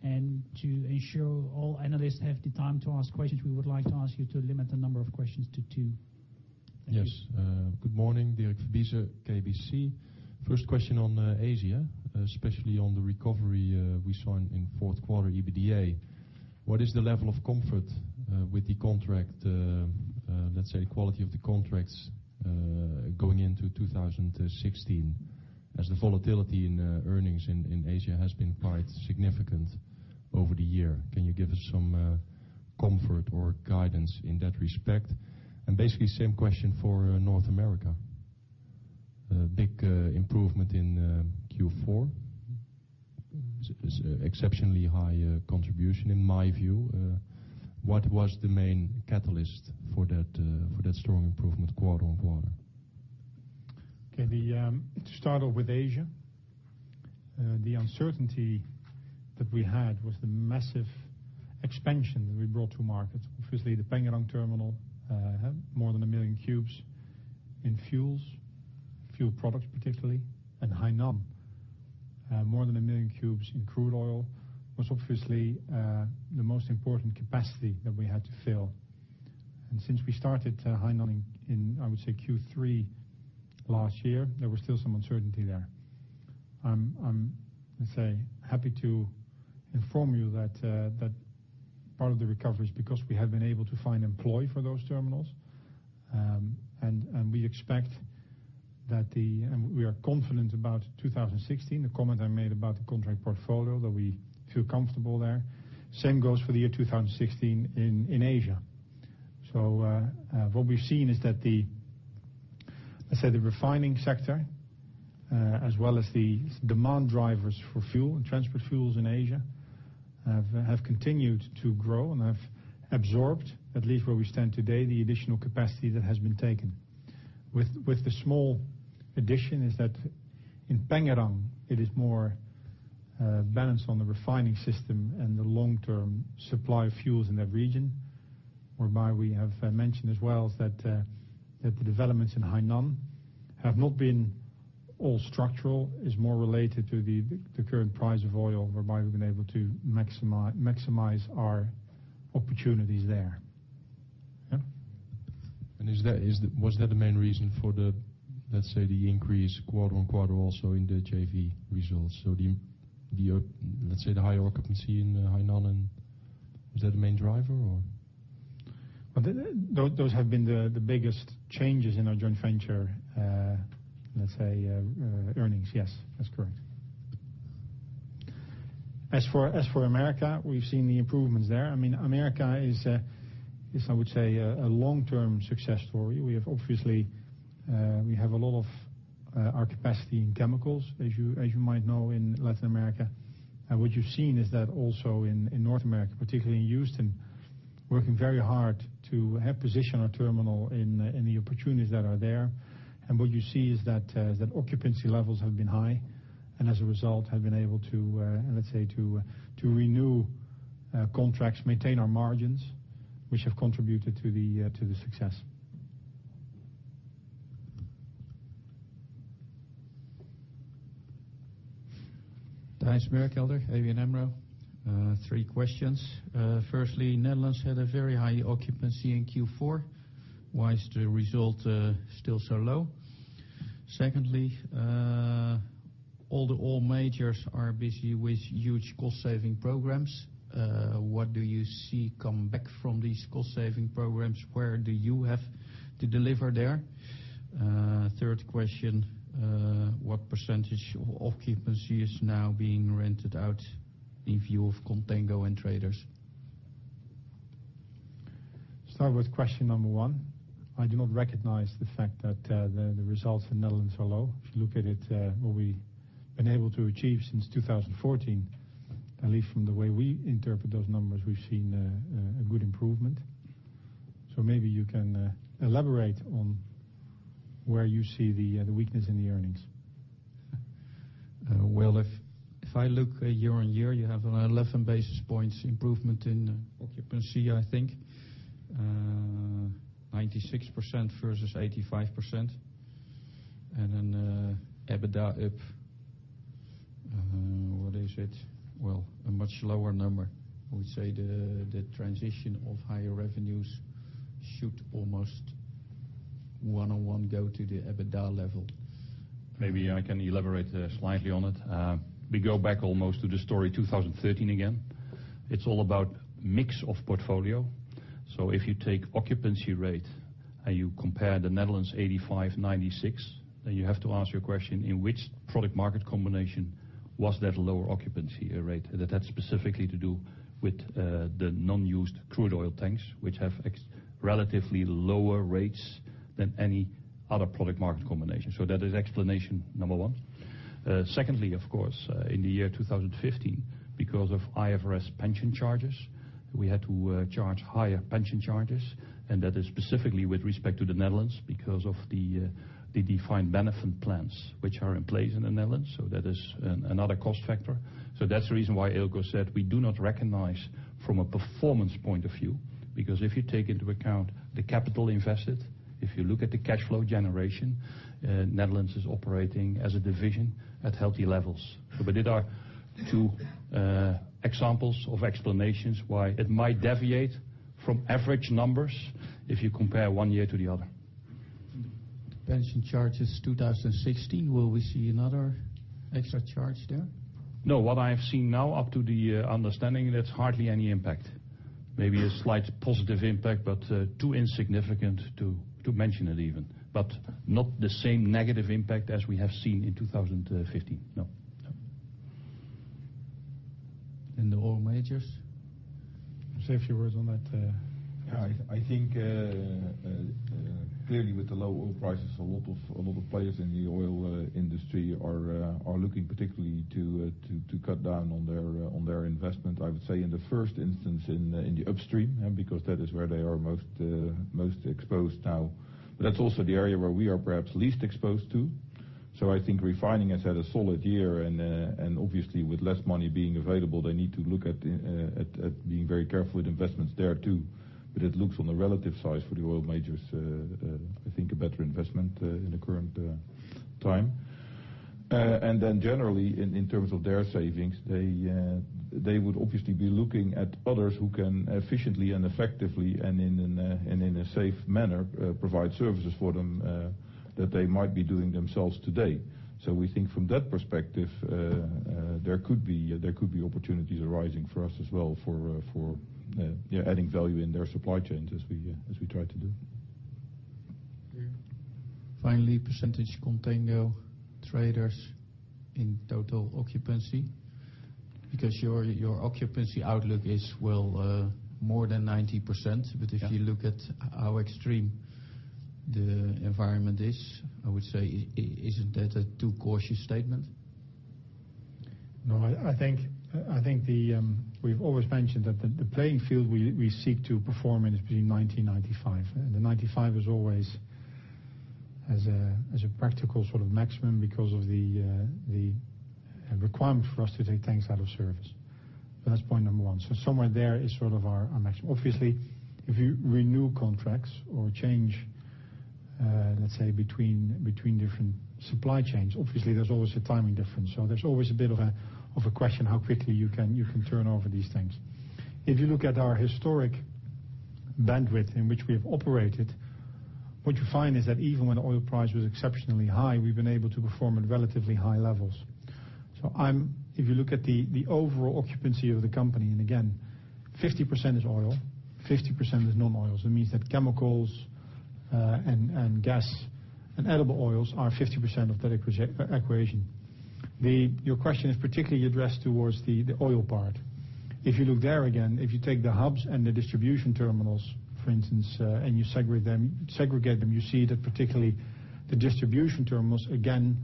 To ensure all analysts have the time to ask questions, we would like to ask you to limit the number of questions to two. Yes. Good morning. Dirk Verbiest, KBC. First question on Asia, especially on the recovery we saw in fourth quarter EBITDA. What is the level of comfort with the contract, let's say quality of the contracts, going into 2016 as the volatility in earnings in Asia has been quite significant over the year? Can you give us some comfort or guidance in that respect? Basically same question for North America. Big improvement in Q4. Exceptionally high contribution in my view. What was the main catalyst for that strong improvement quarter-on-quarter? Okay. To start off with Asia. The uncertainty that we had was the massive expansion that we brought to market. Obviously, the Pengerang terminal had more than a million cubes in fuels, fuel products particularly, and Hainan more than a million cubes in crude oil was obviously the most important capacity that we had to fill. Since we started Hainan in, I would say, Q3 last year, there was still some uncertainty there. I'm happy to inform you that that part of the recovery is because we have been able to find employ for those terminals. We are confident about 2016. The comment I made about the contract portfolio, that we feel comfortable there. Same goes for the year 2016 in Asia. What we've seen is that the refining sector, as well as the demand drivers for fuel and transport fuels in Asia, have continued to grow and have absorbed, at least where we stand today, the additional capacity that has been taken. With the small addition is that in Pengerang it is more balanced on the refining system and the long-term supply of fuels in that region. Whereby we have mentioned as well that the developments in Hainan have not been all structural, is more related to the current price of oil, whereby we've been able to maximize our opportunities there. Yeah. Was that the main reason for the, let's say, the increase quarter-on-quarter also in the JV results? Let's say the high occupancy in Hainan, is that the main driver or? Those have been the biggest changes in our joint venture, let's say, earnings. Yes, that's correct. As for America, we've seen the improvements there. America is, I would say, a long-term success story. We have a lot of our capacity in chemicals, as you might know, in Latin America. What you've seen is that also in North America, particularly in Houston, working very hard to have positioned our terminal in the opportunities that are there. What you see is that occupancy levels have been high, and as a result, have been able to, let's say, renew contracts, maintain our margins, which have contributed to the success. Thijs Berkelder, ABN AMRO. Three questions. Firstly, Netherlands had a very high occupancy in Q4. Why is the result still so low? Secondly, although all majors are busy with huge cost-saving programs, what do you see come back from these cost-saving programs? Where do you have to deliver there? Third question, what percentage of occupancy is now being rented out in view of contango and traders? Start with question number one. I do not recognize the fact that the results in Netherlands are low. If you look at it, what we've been able to achieve since 2014, at least from the way we interpret those numbers, we've seen a good improvement. Maybe you can elaborate on where you see the weakness in the earnings. Well, if I look at year-on-year, you have an 11 basis points improvement in occupancy, I think. 96% versus 85%. EBITDA up, what is it? Well, a much lower number. I would say the transition of higher revenues should almost one-on-one go to the EBITDA level. Maybe I can elaborate slightly on it. We go back almost to the story 2013 again. It's all about mix of portfolio. If you take occupancy rate and you compare the Netherlands 85/96, then you have to ask your question, in which product market combination was that lower occupancy rate? That had specifically to do with the non-used crude oil tanks, which have relatively lower rates than any other product market combination. That is explanation number one. Secondly, of course, in the year 2015, because of IFRS pension charges, we had to charge higher pension charges, and that is specifically with respect to the Netherlands because of the defined benefit plans which are in place in the Netherlands. That is another cost factor. That's the reason why Eelco said we do not recognize from a performance point of view, because if you take into account the capital invested, if you look at the cash flow generation, Netherlands is operating as a division at healthy levels. These are two examples of explanations why it might deviate from average numbers if you compare one year to the other. Pension charges 2016, will we see another extra charge there? No. What I have seen now, up to the understanding, there's hardly any impact. Maybe a slight positive impact, but too insignificant to mention it even. Not the same negative impact as we have seen in 2015, no. The oil majors? Say a few words on that, Eelco. I think clearly with the low oil prices, a lot of players in the oil industry are looking particularly to cut down on their investment, I would say, in the first instance in the upstream, because that is where they are most exposed now. That's also the area where we are perhaps least exposed to. I think refining has had a solid year, and obviously with less money being available, they need to look at being very careful with investments there too. It looks on the relative size for the oil majors, I think, a better investment in the current time. Generally, in terms of their savings, they would obviously be looking at others who can efficiently and effectively and in a safe manner provide services for them that they might be doing themselves today. We think from that perspective, there could be opportunities arising for us as well for adding value in their supply chains as we try to do. Finally, percentage contango traders in total occupancy. Your occupancy outlook is, well, more than 90%. If you look at how extreme the environment is, I would say, isn't that a too cautious statement? I think we've always mentioned that the playing field we seek to perform in is between 90 and 95. The 95 is always as a practical sort of maximum because of the requirement for us to take tanks out of service. That's point number 1. Somewhere there is sort of our maximum. Obviously, if you renew contracts or change, let's say, between different supply chains, obviously, there's always a timing difference. There's always a bit of a question how quickly you can turn over these tanks. If you look at our historic bandwidth in which we have operated What you find is that even when the oil price was exceptionally high, we've been able to perform at relatively high levels. If you look at the overall occupancy of the company, and again, 50% is oil, 50% is non-oils. That means that chemicals and gas and edible oils are 50% of that equation. Your question is particularly addressed towards the oil part. If you look there again, if you take the hubs and the distribution terminals, for instance, and you segregate them, you see that particularly the distribution terminals, again,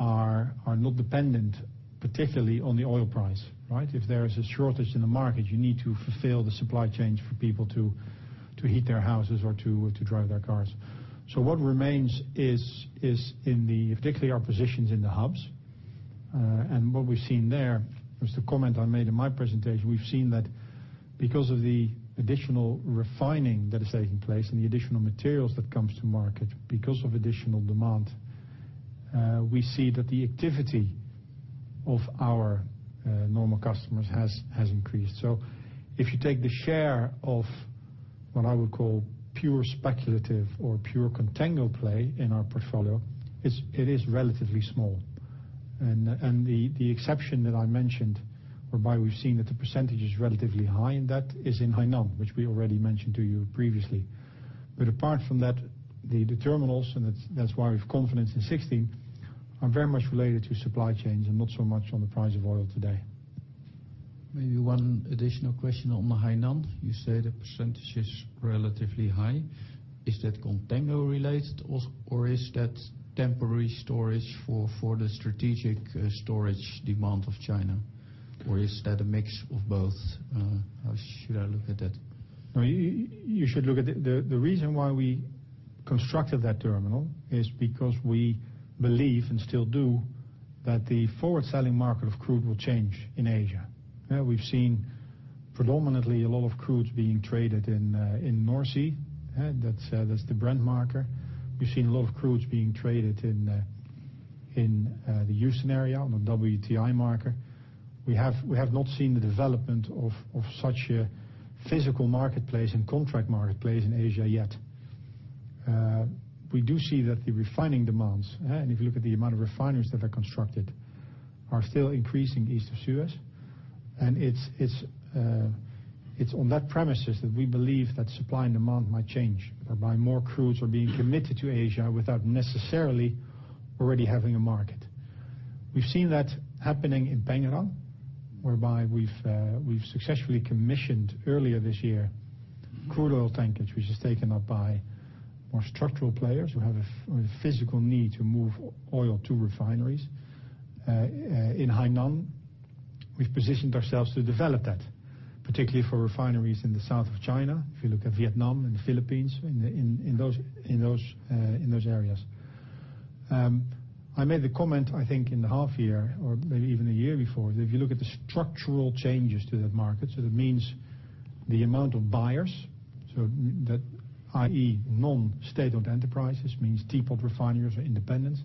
are not dependent particularly on the oil price. If there is a shortage in the market, you need to fulfill the supply chains for people to heat their houses or to drive their cars. What remains is in particularly our positions in the hubs. What we've seen there was the comment I made in my presentation, we've seen that because of the additional refining that is taking place and the additional materials that comes to market because of additional demand, we see that the activity of our normal customers has increased. If you take the share of what I would call pure speculative or pure contango play in our portfolio, it is relatively small. The exception that I mentioned, whereby we've seen that the percentage is relatively high, and that is in Hainan, which we already mentioned to you previously. Apart from that, the terminals, and that's why we've confidence in 2016, are very much related to supply chains and not so much on the price of oil today. Maybe one additional question on Hainan. You say the percentage is relatively high. Is that contango related also, or is that temporary storage for the strategic storage demand of China, or is that a mix of both? How should I look at that? The reason why we constructed that terminal is because we believe, and still do, that the forward-selling market of crude will change in Asia. We've seen predominantly a lot of crudes being traded in North Sea. That's the Brent marker. We've seen a lot of crudes being traded in the Houston area, on the WTI marker. We have not seen the development of such a physical marketplace and contract marketplace in Asia yet. We do see that the refining demands, and if you look at the amount of refineries that are constructed, are still increasing east of Suez. It's on that premises that we believe that supply and demand might change, whereby more crudes are being committed to Asia without necessarily already having a market. We've seen that happening in Pengerang, whereby we've successfully commissioned earlier this year crude oil tankage, which is taken up by more structural players who have a physical need to move oil to refineries. In Hainan, we've positioned ourselves to develop that, particularly for refineries in the south of China, if you look at Vietnam and Philippines, in those areas. I made the comment, I think, in the half year or maybe even a year before, that if you look at the structural changes to that market, that means the amount of buyers, i.e. non-state-owned enterprises, means teapot refineries are independent.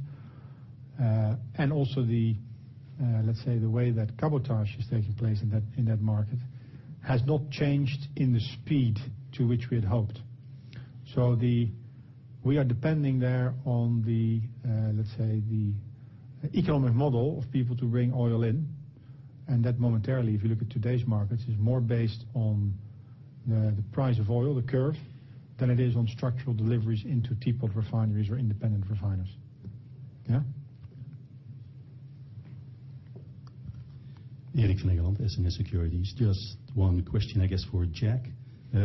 Also, let's say, the way that cabotage is taking place in that market has not changed in the speed to which we had hoped. We are depending there on the, let's say, the economic model of people to bring oil in, and that momentarily, if you look at today's markets, is more based on the price of oil, the curve, than it is on structural deliveries into teapot refineries or independent refineries. Yeah. Eric van Engelen, SNS Securities. Just one question, I guess, for Jack.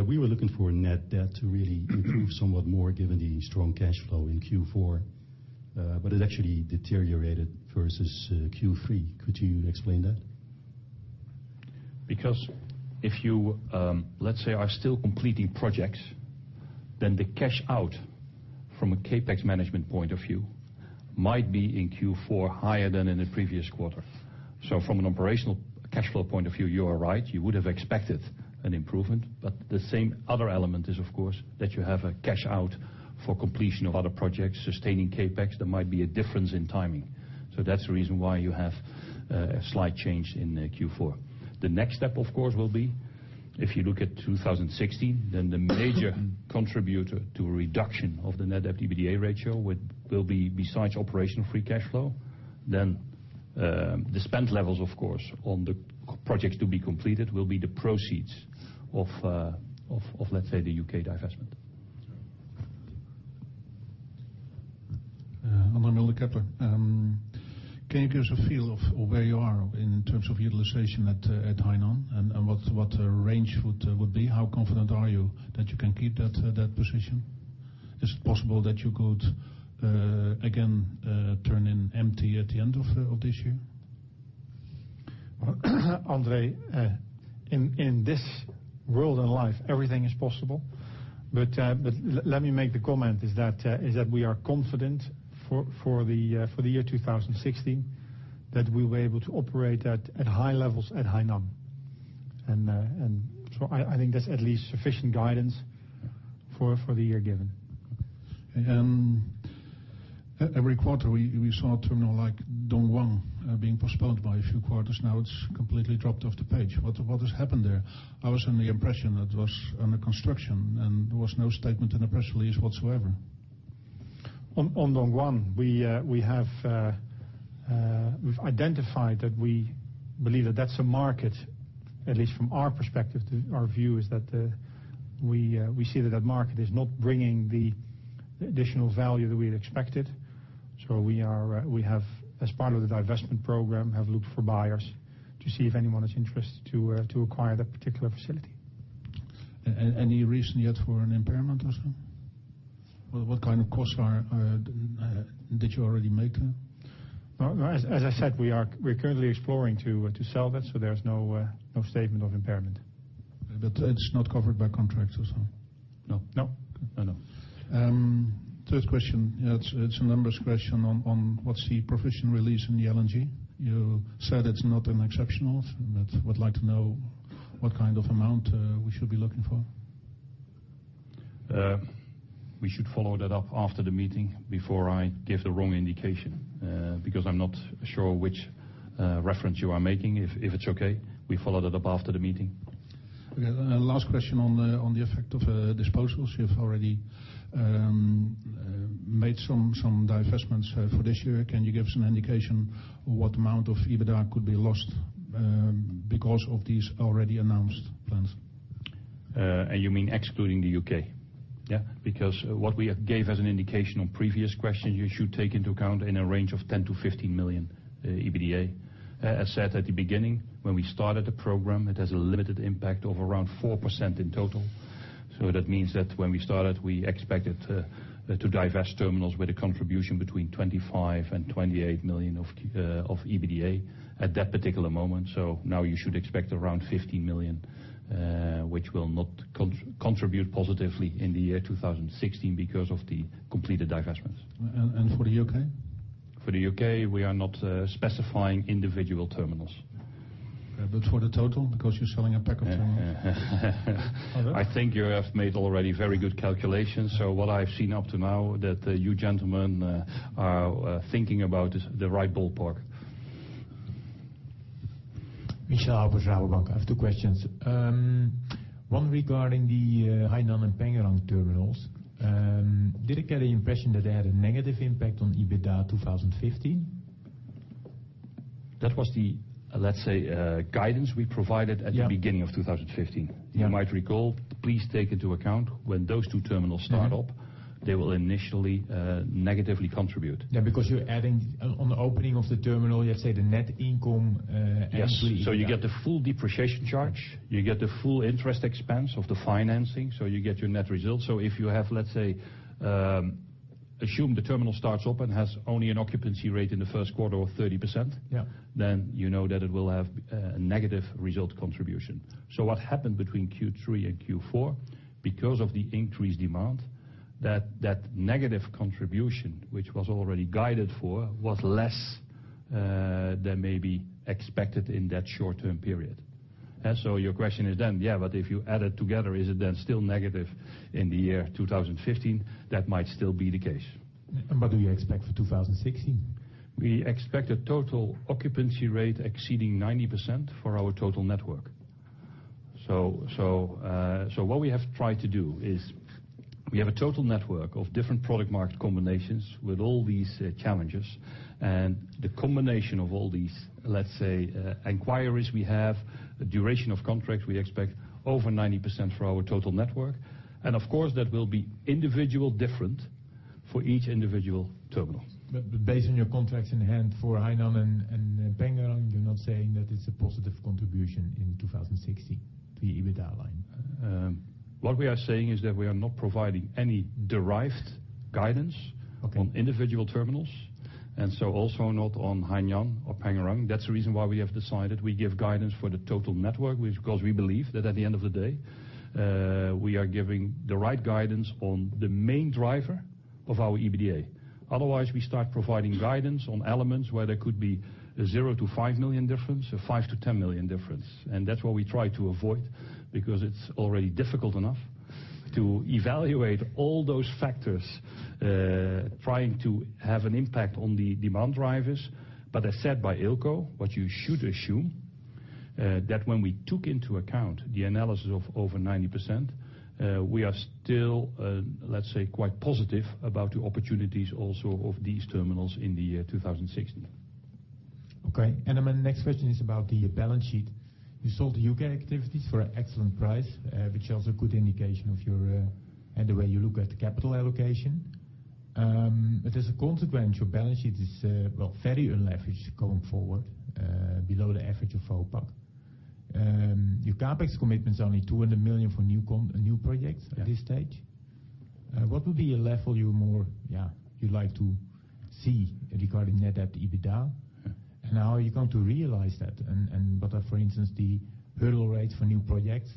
We were looking for net debt to really improve somewhat more given the strong cash flow in Q4, but it actually deteriorated versus Q3. Could you explain that? If you, let's say, are still completing projects, then the cash out from a CapEx management point of view might be in Q4 higher than in the previous quarter. From an operational cash flow point of view, you are right. You would have expected an improvement, but the same other element is, of course, that you have a cash out for completion of other projects, sustaining CapEx. There might be a difference in timing. That's the reason why you have a slight change in Q4. The next step, of course, will be if you look at 2016, then the major contributor to a reduction of the net debt-to-EBITDA ratio will be besides operational free cash flow, then the spend levels, of course, on the projects to be completed will be the proceeds of, let's say, the U.K. divestment. Andre Mulder, Kepler. Can you give us a feel of where you are in terms of utilization at Banyan and what the range would be? How confident are you that you can keep that position? Is it possible that you could again turn in empty at the end of this year? Andre, in this world and life, everything is possible. Let me make the comment is that we are confident for the year 2016 that we will be able to operate at high levels at Banyan. I think that's at least sufficient guidance for the year given. Okay. Every quarter we saw a terminal like Dongguan being postponed by a few quarters. Now it's completely dropped off the page. What has happened there? I was under the impression that it was under construction, there was no statement in the press release whatsoever. On Dongguan, we've identified that we believe that that's a market, at least from our perspective, our view is that we see that that market is not bringing the additional value that we had expected. We have, as part of the divestment program, have looked for buyers to see if anyone is interested to acquire that particular facility. Any reason yet for an impairment or so? What kind of costs did you already make there? As I said, we are currently exploring to sell that, so there's no statement of impairment. It's not covered by contract or so? No. No. Third question, it's a numbers question on what's the provision release in the LNG? You said it's not exceptional, but would like to know what kind of amount we should be looking for. We should follow that up after the meeting before I give the wrong indication, because I am not sure which reference you are making. If it is okay, we follow that up after the meeting. Okay. Last question on the effect of disposals. You have already made some divestments for this year. Can you give us an indication what amount of EBITDA could be lost because of these already announced plans? You mean excluding the U.K.? Yeah. What we gave as an indication on previous question, you should take into account in a range of 10 million-15 million EBITDA. As said at the beginning, when we started the program, it has a limited impact of around 4% in total. That means that when we started, we expected to divest terminals with a contribution between 25 million and 28 million of EBITDA at that particular moment. Now you should expect around 15 million, which will not contribute positively in the year 2016 because of the completed divestments. For the U.K.? For the U.K., we are not specifying individual terminals. For the total, because you're selling a pack of terminals. I think you have made already very good calculations. What I've seen up to now, that you gentlemen are thinking about the right ballpark. [Michel] from Rabobank. I have two questions. One regarding the Hainan and Pengerang terminals. Did I get the impression that they had a negative impact on EBITDA 2015? That was the, let's say, guidance we provided at the beginning of 2015. Yeah. You might recall, please take into account when those two terminals start up, they will initially negatively contribute. Yeah, because you're adding, on the opening of the terminal, you have, say, the net income actually Yes. You get the full depreciation charge, you get the full interest expense of the financing, so you get your net result. If you have, let's say, assume the terminal starts up and has only an occupancy rate in the first quarter of 30%. Yeah You know that it will have a negative result contribution. What happened between Q3 and Q4, because of the increased demand, that negative contribution, which was already guided for, was less than maybe expected in that short-term period. Your question is then, yeah, but if you add it together, is it then still negative in the year 2015? That might still be the case. What do you expect for 2016? We expect a total occupancy rate exceeding 90% for our total network. What we have tried to do is we have a total network of different product market combinations with all these challenges, and the combination of all these, let's say, inquiries we have, the duration of contracts, we expect over 90% for our total network. Of course, that will be individual different for each individual terminal. Based on your contracts in hand for Hainan and Pengerang, you're not saying that it's a positive contribution in 2016, the EBITDA line. What we are saying is that we are not providing any derived guidance- Okay on individual terminals, also not on Hainan or Pengerang. That's the reason why we have decided we give guidance for the total network, because we believe that at the end of the day, we are giving the right guidance on the main driver of our EBITDA. Otherwise, we start providing guidance on elements where there could be a 0-5 million difference, a 5-10 million difference. That's what we try to avoid, because it's already difficult enough to evaluate all those factors, trying to have an impact on the demand drivers. As said by Eelco, what you should assume, that when we took into account the analysis of over 90%, we are still, let's say, quite positive about the opportunities also of these terminals in the year 2016. Okay. My next question is about the balance sheet. You sold the U.K. activities for an excellent price, which shows a good indication of your, and the way you look at the capital allocation. As a consequence, your balance sheet is, well, very unleveraged going forward, below the average of Vopak. Your CapEx commitments are only 200 million for new projects at this stage. Yeah. What would be a level you more, you'd like to see regarding net debt to EBITDA? How are you going to realize that? What are, for instance, the hurdle rates for new projects?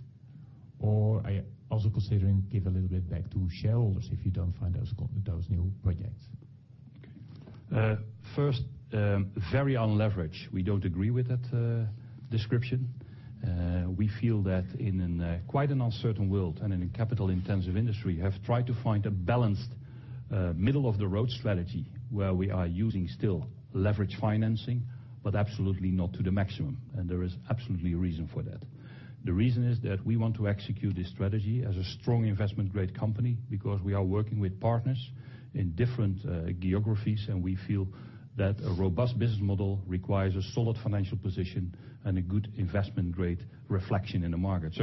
Are you also considering give a little bit back to shareholders if you don't find those new projects? First, very unleveraged. We don't agree with that description. We feel that in quite an uncertain world and in a capital-intensive industry, we have tried to find a balanced middle-of-the-road strategy where we are using still leverage financing, but absolutely not to the maximum. There is absolutely a reason for that. The reason is that we want to execute this strategy as a strong investment-grade company because we are working with partners in different geographies, and we feel that a robust business model requires a solid financial position and a good investment-grade reflection in the market.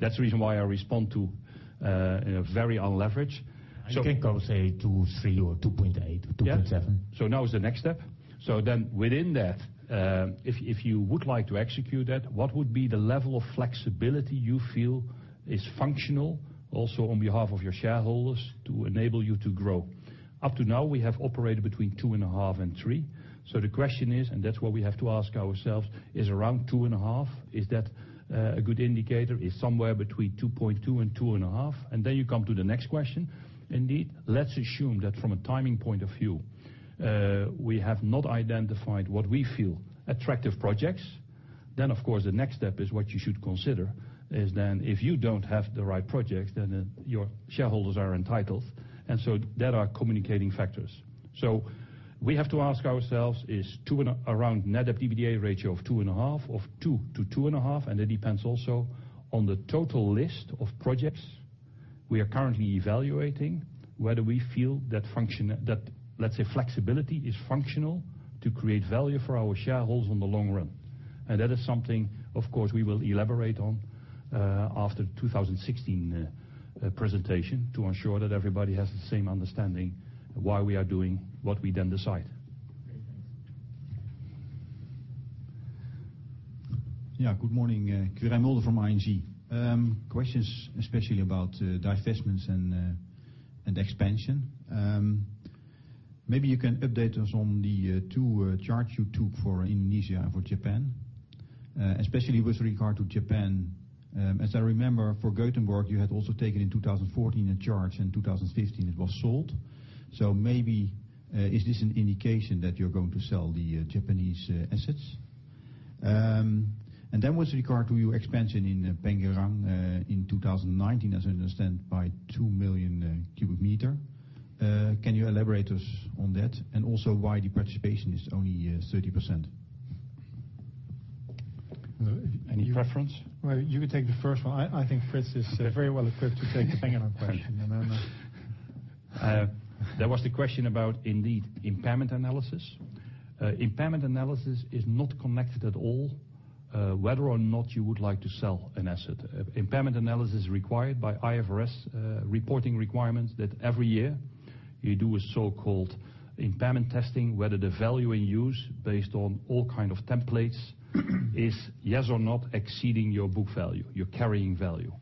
That's the reason why I respond to very unleveraged. You can say two, three or 2.8 or 2.7. Now is the next step. Within that, if you would like to execute that, what would be the level of flexibility you feel is functional also on behalf of your shareholders to enable you to grow? Up to now we have operated between 2.5 and three. The question is, and that's what we have to ask ourselves, is around 2.5, is that a good indicator? Is somewhere between 2.2 and 2.5? You come to the next question. Indeed, let's assume that from a timing point of view, we have not identified what we feel attractive projects. Of course, the next step is what you should consider is if you don't have the right projects, your shareholders are entitled, and so that are communicating factors. We have to ask ourselves, is around net debt EBITDA ratio of 2.5, of 2-2.5? That depends also on the total list of projects we are currently evaluating, whether we feel that, let's say, flexibility is functional to create value for our shareholders in the long run. That is something, of course, we will elaborate on after 2016 presentation to ensure that everybody has the same understanding why we are doing what we then decide. Okay, thanks. Good morning. Quirijn Mulder from ING. Questions especially about divestments and expansion. Maybe you can update us on the 2 charts you took for Indonesia and for Japan. Especially with regard to Japan. As I remember for Gothenburg, you had also taken in 2014 a charge, in 2015 it was sold. Maybe is this an indication that you're going to sell the Japanese assets? Then with regard to your expansion in Pengerang in 2019, as I understand, by 2 million cubic meter. Can you elaborate us on that? Also why the participation is only 30%? Any preference? Well, you could take the first one. I think Frits is very well equipped to take the Pengerang question, and I'm not. There was the question about, indeed, impairment analysis. Impairment analysis is not connected at all, whether or not you would like to sell an asset. Impairment analysis is required by IFRS reporting requirements that every year you do a so-called impairment testing, whether the value in use based on all kind of templates is, yes or not, exceeding your book value, your carrying value.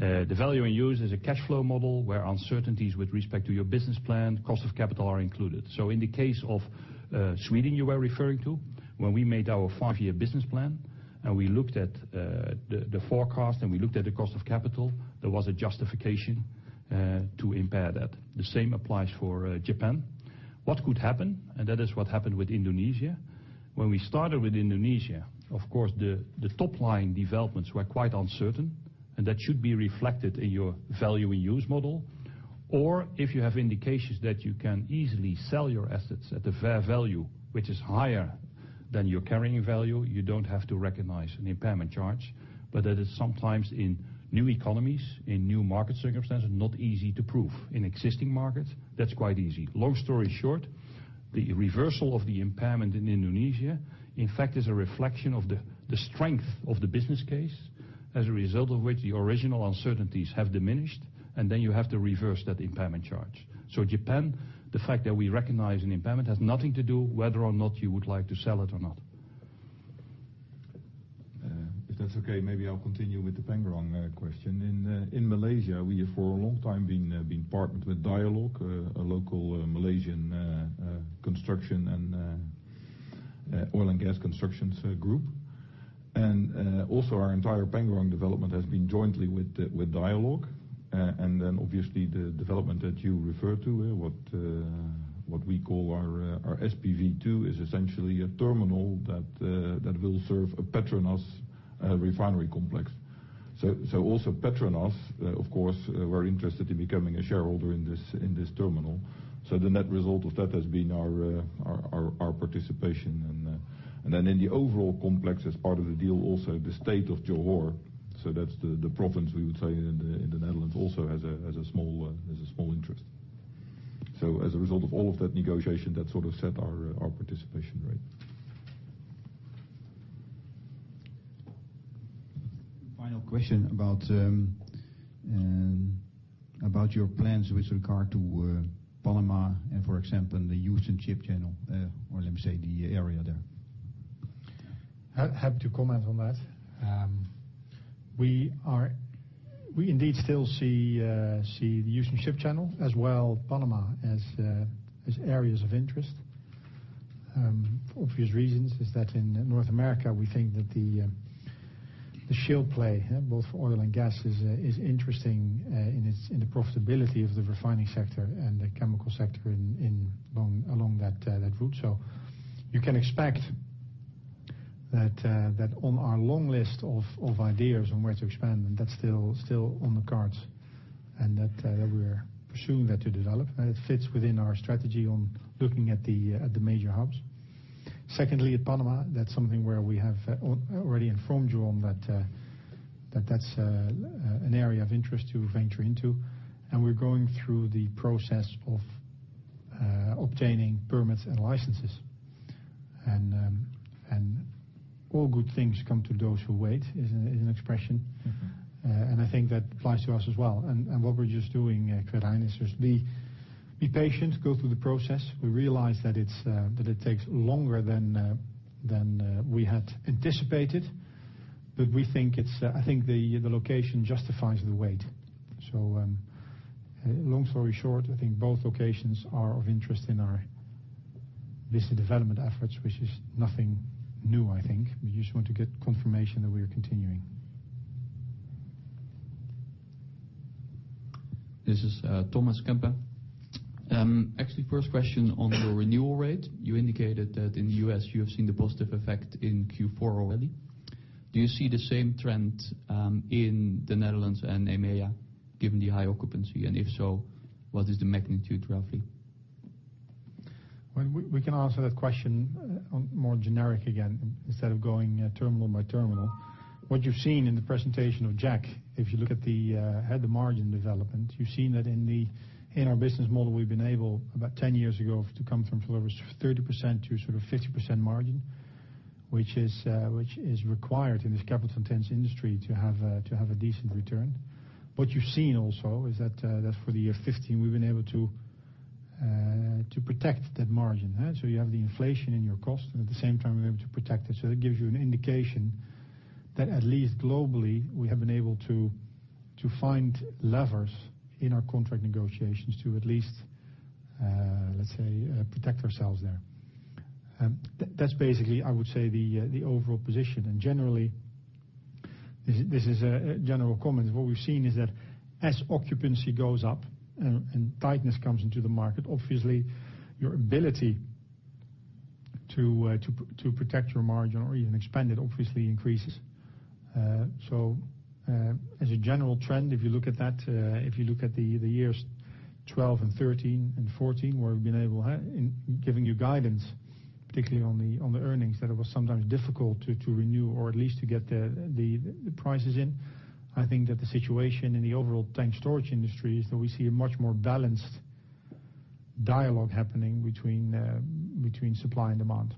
The value in use is a cash flow model where uncertainties with respect to your business plan, cost of capital are included. In the case of Sweden you were referring to, when we made our five-year business plan and we looked at the forecast and we looked at the cost of capital, there was a justification to impair that. The same applies for Japan. What could happen, and that is what happened with Indonesia, when we started with Indonesia, of course, the top-line developments were quite uncertain, and that should be reflected in your value in use model. If you have indications that you can easily sell your assets at a fair value, which is higher than your carrying value, you don't have to recognize an impairment charge. That is sometimes in new economies, in new market circumstances, not easy to prove. In existing markets, that's quite easy. Long story short, the reversal of the impairment in Indonesia, in fact, is a reflection of the strength of the business case, as a result of which the original uncertainties have diminished, and then you have to reverse that impairment charge. Japan, the fact that we recognize an impairment has nothing to do whether or not you would like to sell it or not. If that's okay, maybe I'll continue with the Pengerang question. In Malaysia, we have for a long time been partnered with Dialog, a local Malaysian construction and oil and gas constructions group. Also our entire Pengerang development has been jointly with Dialog. Obviously the development that you refer to, what we call our SPV2, is essentially a terminal that will serve a Petronas refinery complex. Also Petronas, of course, were interested in becoming a shareholder in this terminal. The net result of that has been our participation. In the overall complex as part of the deal also the state of Johor, so that's the province we would say in the Netherlands, also has a small interest. As a result of all of that negotiation, that sort of set our participation rate. Final question about your plans with regard to Panama and, for example, the Houston Ship Channel, or let me say the area there. Happy to comment on that. We indeed still see the Houston Ship Channel as well Panama as areas of interest. For obvious reasons, is that in North America we think that the shale play, both oil and gas, is interesting in the profitability of the refining sector and the chemical sector along that route. You can expect that on our long list of ideas on where to expand, that's still on the cards, and that we're pursuing that to develop, and it fits within our strategy on looking at the major hubs. Secondly, at Panama, that's something where we have already informed you on, that that's an area of interest to venture into, and we're going through the process of obtaining permits and licenses. All good things come to those who wait, is an expression. I think that applies to us as well. What we're just doing, Krijn, is just be patient, go through the process. We realize that it takes longer than we had anticipated, but I think the location justifies the wait. Long story short, I think both locations are of interest in our business development efforts, which is nothing new, I think. We just want to get confirmation that we are continuing. This is [Thomas Kemper]. Actually, first question on your renewal rate. You indicated that in the U.S. you have seen the positive effect in Q4 already. Do you see the same trend in the Netherlands and EMEA, given the high occupancy? If so, what is the magnitude, roughly? Well, we can answer that question on more generic again, instead of going terminal by terminal. What you've seen in the presentation of Jack, if you look at the margin development, you've seen that in our business model, we've been able, about 10 years ago, to come from sort of a 30% to sort of 50% margin, which is required in this capital intense industry to have a decent return. What you've seen also is that for the year 2015, we've been able to protect that margin. You have the inflation in your cost and at the same time we're able to protect it. That gives you an indication that at least globally, we have been able to find levers in our contract negotiations to at least, let's say, protect ourselves there. That's basically, I would say, the overall position. Generally, this is a general comment. What we've seen is that as occupancy goes up and tightness comes into the market, obviously your ability to protect your margin or even expand it obviously increases. As a general trend, if you look at that, if you look at the years 2012 and 2013 and 2014, where we've been able, in giving you guidance, particularly on the earnings, that it was sometimes difficult to renew or at least to get the prices in. I think that the situation in the overall tank storage industry is that we see a much more balanced dialogue happening between supply and demand.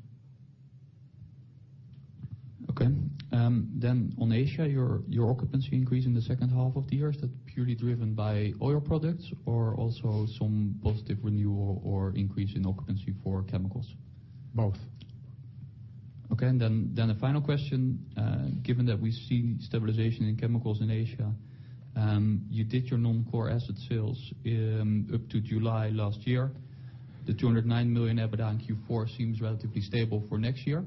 Okay. On Asia, your occupancy increase in the second half of the year, is that purely driven by oil products or also some positive renewal or increase in occupancy for chemicals? Both. Okay. Then the final question, given that we've seen stabilization in chemicals in Asia, you did your non-core asset sales up to July last year. The 209 million EBITDA in Q4 seems relatively stable for next year.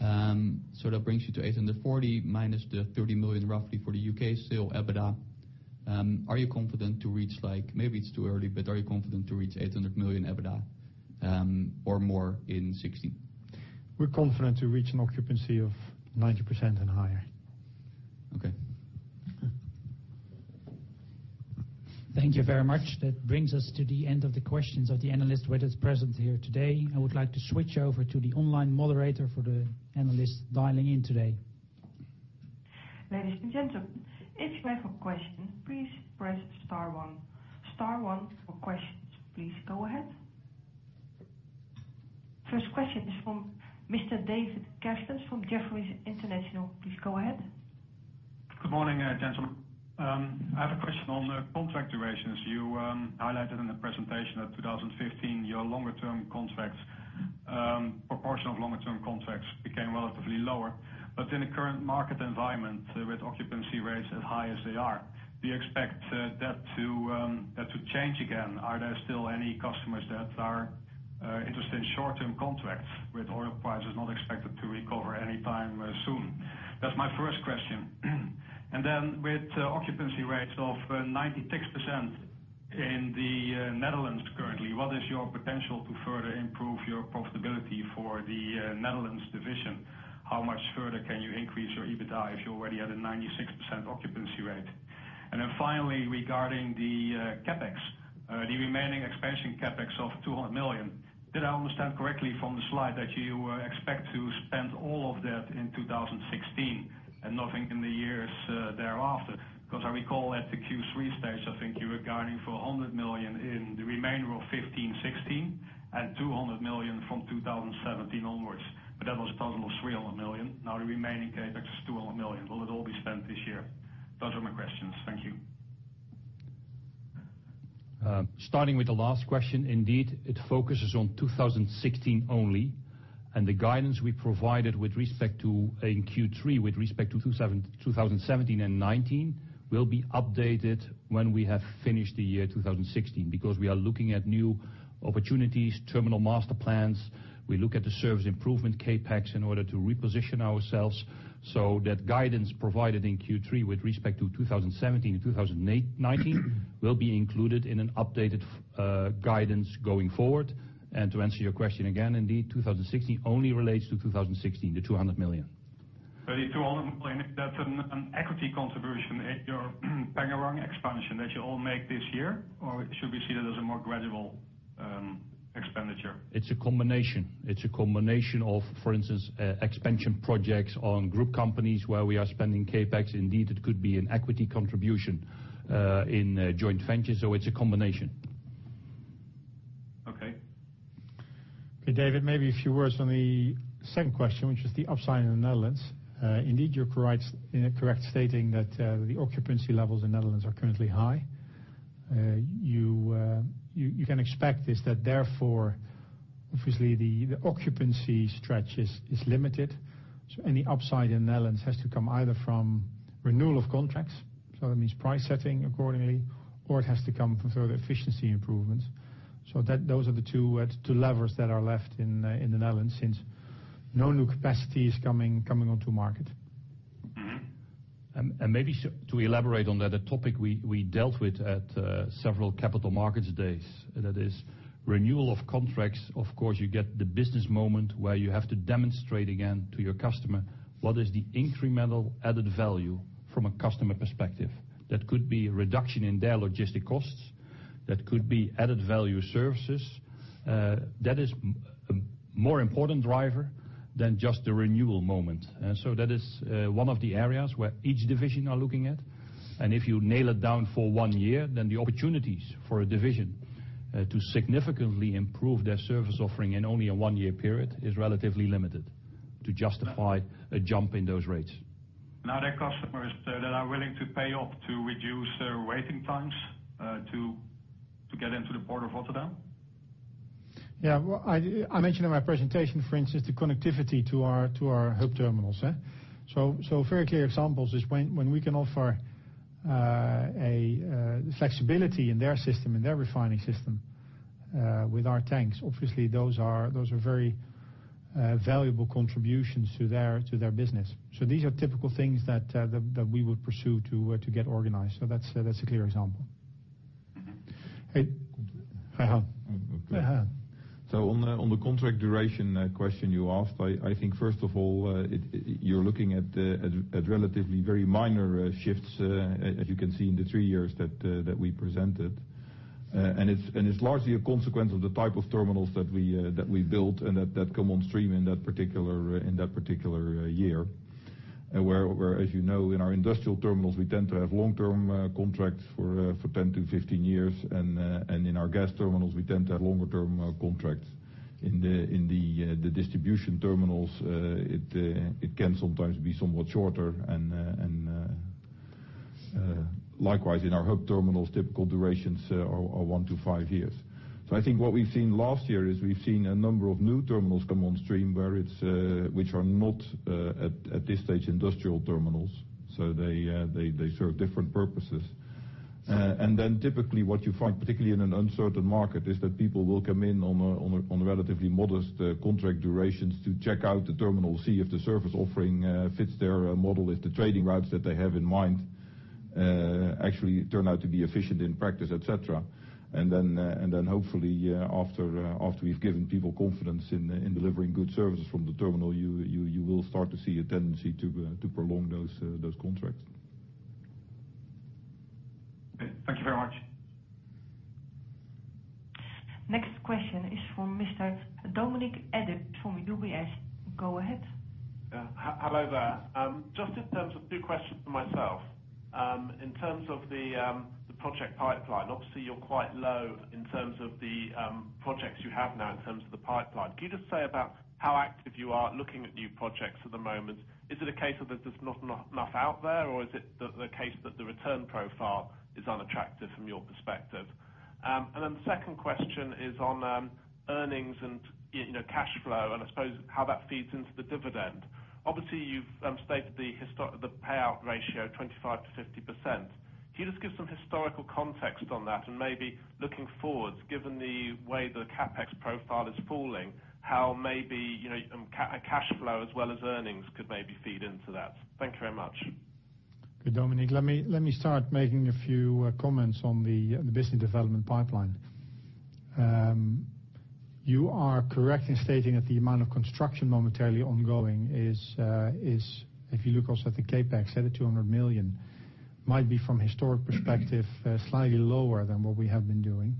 That brings you to 840 minus the 30 million, roughly, for the U.K. sale EBITDA. Are you confident to reach, maybe it's too early, but are you confident to reach 800 million EBITDA or more in 2016? We're confident to reach an occupancy of 90% and higher. Okay. Thank you very much. That brings us to the end of the questions of the analysts with us present here today. I would like to switch over to the online moderator for the analysts dialing in today. Ladies and gentlemen, if you have a question, please press star one. Star one for questions, please go ahead. First question is from Mr. David Kerstens from Jefferies International. Please go ahead. Good morning, gentlemen. I have a question on contract durations. You highlighted in the presentation that 2015, your proportion of longer term contracts became relatively lower. In the current market environment with occupancy rates as high as they are, do you expect that to change again? Are there still any customers that are interested in short-term contracts with oil prices not expected to recover any time soon? That's my first question. With occupancy rates of 96% in the Netherlands currently, what is your potential to further improve your profitability for the Netherlands division? How much further can you increase your EBITDA if you're already at a 96% occupancy rate? Finally, regarding the CapEx, the remaining expansion CapEx of 200 million. Did I understand correctly from the slide that you expect to spend all of that in 2016 and nothing in the years thereafter? I recall at the Q3 stage, I think you were guiding for 100 million in the remainder of 2015, 2016, and 200 million from 2017 onwards. That was a total of 300 million. Now the remaining CapEx is 200 million. Will it all be spent this year? Those are my questions. Thank you. Starting with the last question, indeed, it focuses on 2016 only. The guidance we provided in Q3 with respect to 2017 and 2019, will be updated when we have finished the year 2016, because we are looking at new opportunities, terminal master plans. We look at the service improvement CapEx in order to reposition ourselves. That guidance provided in Q3 with respect to 2017 and 2019 will be included in an updated guidance going forward. To answer your question again, indeed, 2016 only relates to 2016, the 200 million. The 200 million, that's an equity contribution at your Pengerang expansion that you'll make this year? Or it should be seen as a more gradual expenditure? It's a combination. It's a combination of, for instance, expansion projects on group companies where we are spending CapEx. Indeed, it could be an equity contribution in a joint venture, so it's a combination. Okay. David, maybe a few words on the second question, which is the upside in the Netherlands. Indeed, you're correct stating that the occupancy levels in the Netherlands are currently high. You can expect this that therefore, obviously the occupancy stretch is limited. Any upside in the Netherlands has to come either from renewal of contracts, so that means price setting accordingly, or it has to come from further efficiency improvements. Those are the two levers that are left in the Netherlands since no new capacity is coming onto market. Maybe to elaborate on that topic we dealt with at several capital markets days. That is renewal of contracts, of course, you get the business moment where you have to demonstrate again to your customer what is the incremental added value from a customer perspective. That could be a reduction in their logistic costs, that could be added value services. That is more important driver than just the renewal moment. That is one of the areas where each division are looking at. If you nail it down for one year, then the opportunities for a division to significantly improve their service offering in only a one-year period is relatively limited to justify a jump in those rates. Their customers that are willing to pay up to reduce their waiting times to get into the Port of Rotterdam? Yeah. I mentioned in my presentation, for instance, the connectivity to our hub terminals. A very clear example is when we can offer a flexibility in their refining system with our tanks, obviously those are very valuable contributions to their business. These are typical things that we would pursue to get organized. That's a clear example. On the contract duration question you asked, I think first of all, you're looking at relatively very minor shifts, as you can see in the 3 years that we presented. It's largely a consequence of the type of terminals that we built and that come on stream in that particular year. Where as you know, in our industrial terminals, we tend to have long-term contracts for 10-15 years. In our gas terminals, we tend to have longer-term contracts. In the distribution terminals, it can sometimes be somewhat shorter, and likewise in our hub terminals, typical durations are 1-5 years. I think what we've seen last year is we've seen a number of new terminals come on stream which are not at this stage industrial terminals. They serve different purposes. Typically what you find, particularly in an uncertain market, is that people will come in on a relatively modest contract durations to check out the terminal, see if the service offering fits their model, if the trading routes that they have in mind actually turn out to be efficient in practice, et cetera. Hopefully after we've given people confidence in delivering good services from the terminal, you will start to see a tendency to prolong those contracts. Thank you very much. Next question is from Mr. Dominic Edney from UBS. Go ahead. Hello there. Just in terms of two questions from myself. In terms of the project pipeline, obviously you're quite low in terms of the projects you have now in terms of the pipeline. Can you just say about how active you are looking at new projects at the moment? Is it a case of there's just not enough out there, or is it the case that the return profile is unattractive from your perspective? The second question is on earnings and cash flow and I suppose how that feeds into the dividend. Obviously, you've stated the payout ratio 25%-50%. Can you just give some historical context on that and maybe looking forward, given the way the CapEx profile is falling, how maybe cash flow as well as earnings could maybe feed into that? Thank you very much. Dominic, let me start making a few comments on the business development pipeline. You are correct in stating that the amount of construction momentarily ongoing is, if you look also at the CapEx, set at 200 million, might be from a historic perspective, slightly lower than what we have been doing.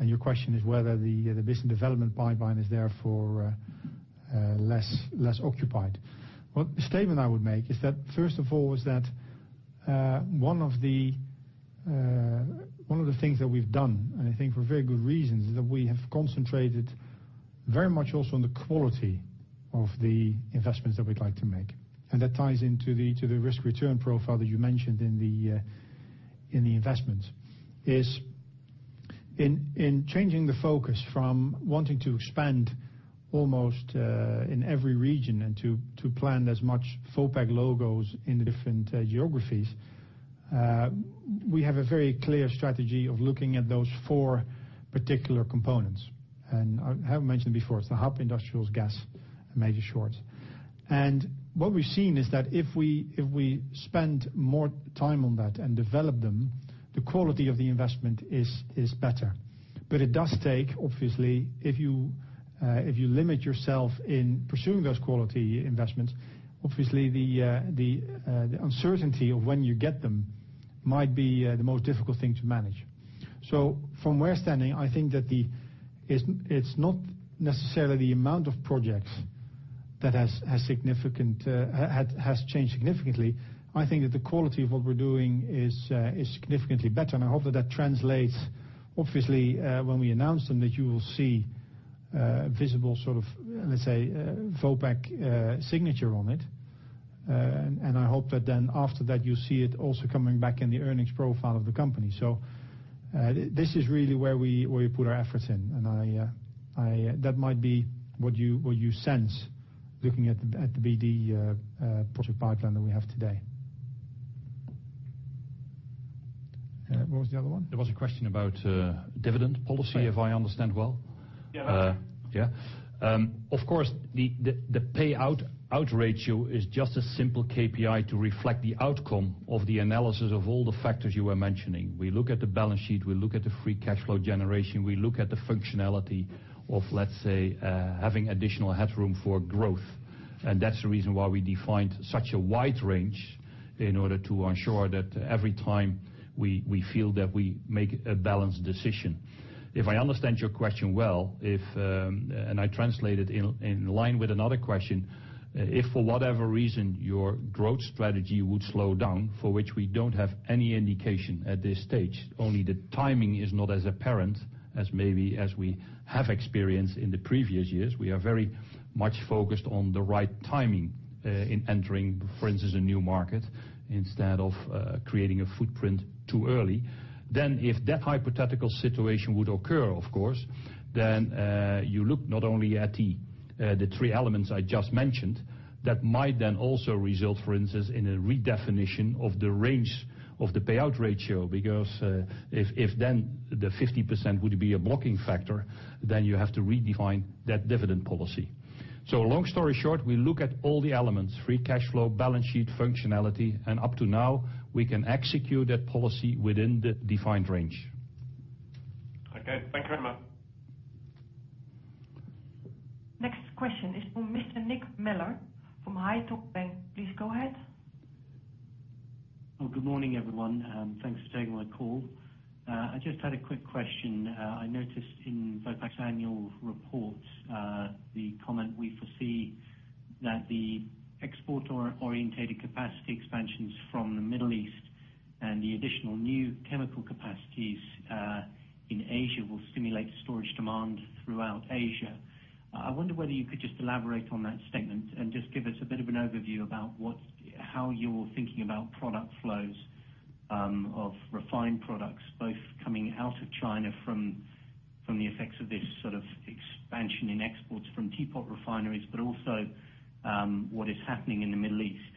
Your question is whether the business development pipeline is therefore less occupied. The statement I would make is that, first of all is that, one of the things that we've done, and I think for very good reasons, is that we have concentrated very much also on the quality of the investments that we'd like to make. That ties into the risk-return profile that you mentioned in the investment, is in changing the focus from wanting to expand almost in every region and to plant as much Vopak logos in the different geographies, we have a very clear strategy of looking at those four particular components. I have mentioned before, it's the Hub, Industrials, Gas, major ports. What we've seen is that if we spend more time on that and develop them, the quality of the investment is better. It does take, obviously, if you limit yourself in pursuing those quality investments, obviously the uncertainty of when you get them might be the most difficult thing to manage. From where standing, I think that it's not necessarily the amount of projects that has changed significantly. I think that the quality of what we're doing is significantly better and I hope that translates, obviously, when we announce them, that you will see visible sort of, let's say, Vopak signature on it. I hope that then after that you see it also coming back in the earnings profile of the company. This is really where we put our efforts in. That might be what you sense looking at the BD project pipeline that we have today. What was the other one? There was a question about dividend policy, if I understand well. Yeah. Of course, the payout ratio is just a simple KPI to reflect the outcome of the analysis of all the factors you were mentioning. We look at the balance sheet, we look at the free cash flow generation, we look at the functionality of, let's say, having additional headroom for growth. That's the reason why we defined such a wide range, in order to ensure that every time we feel that we make a balanced decision. If I understand your question well, and I translate it in line with another question, if for whatever reason your growth strategy would slow down, for which we don't have any indication at this stage, only the timing is not as apparent as maybe as we have experienced in the previous years. If that hypothetical situation would occur, of course, then you look not only at the three elements I just mentioned, that might then also result, for instance, in a redefinition of the range of the payout ratio. If then the 50% would be a blocking factor, then you have to redefine that dividend policy. Long story short, we look at all the elements, free cash flow, balance sheet functionality, and up to now, we can execute that policy within the defined range. Okay. Thank you very much. Next question is from Mr. Nick Miller from Haitong Bank. Please go ahead. Well, good morning, everyone. Thanks for taking my call. I just had a quick question. I noticed in Vopak's annual report, the comment we foresee that the export orientated capacity expansions from the Middle East and the additional new chemical capacities in Asia will stimulate storage demand throughout Asia. I wonder whether you could just elaborate on that statement and just give us a bit of an overview about how you're thinking about product flows of refined products both coming out of China from the effects of this expansion in exports from teapot refineries, but also what is happening in the Middle East.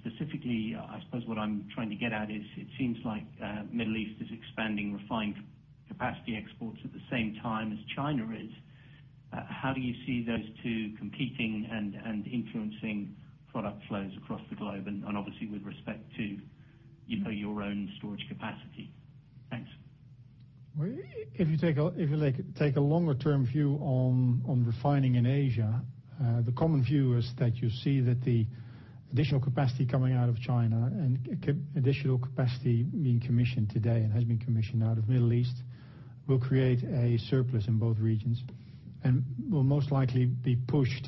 Specifically, I suppose what I'm trying to get at is it seems like Middle East is expanding refined capacity exports at the same time as China is. How do you see those two competing and influencing product flows across the globe and obviously with respect to your own storage capacity? Thanks. If you take a longer term view on refining in Asia, the common view is that you see that the additional capacity coming out of China and additional capacity being commissioned today and has been commissioned out of Middle East will create a surplus in both regions and will most likely be pushed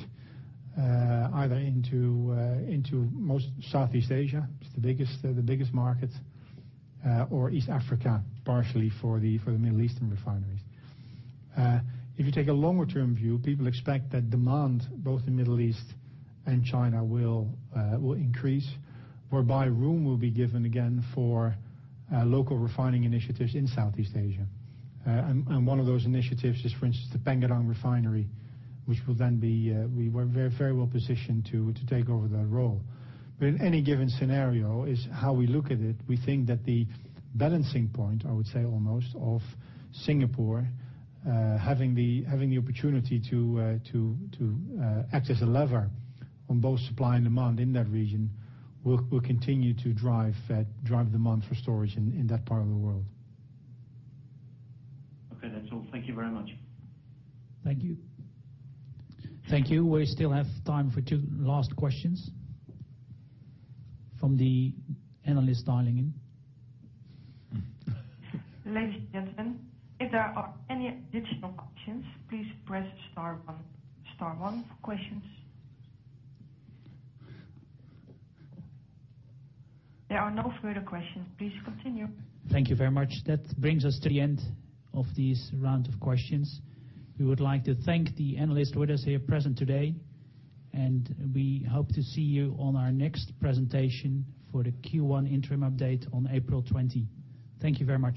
either into most Southeast Asia, it's the biggest market, or East Africa, partially for the Middle Eastern refineries. If you take a longer term view, people expect that demand both in Middle East and China will increase, whereby room will be given again for local refining initiatives in Southeast Asia. One of those initiatives is, for instance, the Pengerang Refinery, which we were very well positioned to take over that role. In any given scenario is how we look at it. We think that the balancing point, I would say almost, of Singapore having the opportunity to act as a lever on both supply and demand in that region will continue to drive demand for storage in that part of the world. Okay, that's all. Thank you very much. Thank you. Thank you. We still have time for two last questions from the analysts dialing in. Ladies and gentlemen, if there are any additional questions, please press star one for questions. There are no further questions. Please continue. Thank you very much. That brings us to the end of this round of questions. We would like to thank the analysts with us here present today, and we hope to see you on our next presentation for the Q1 interim update on April 20. Thank you very much.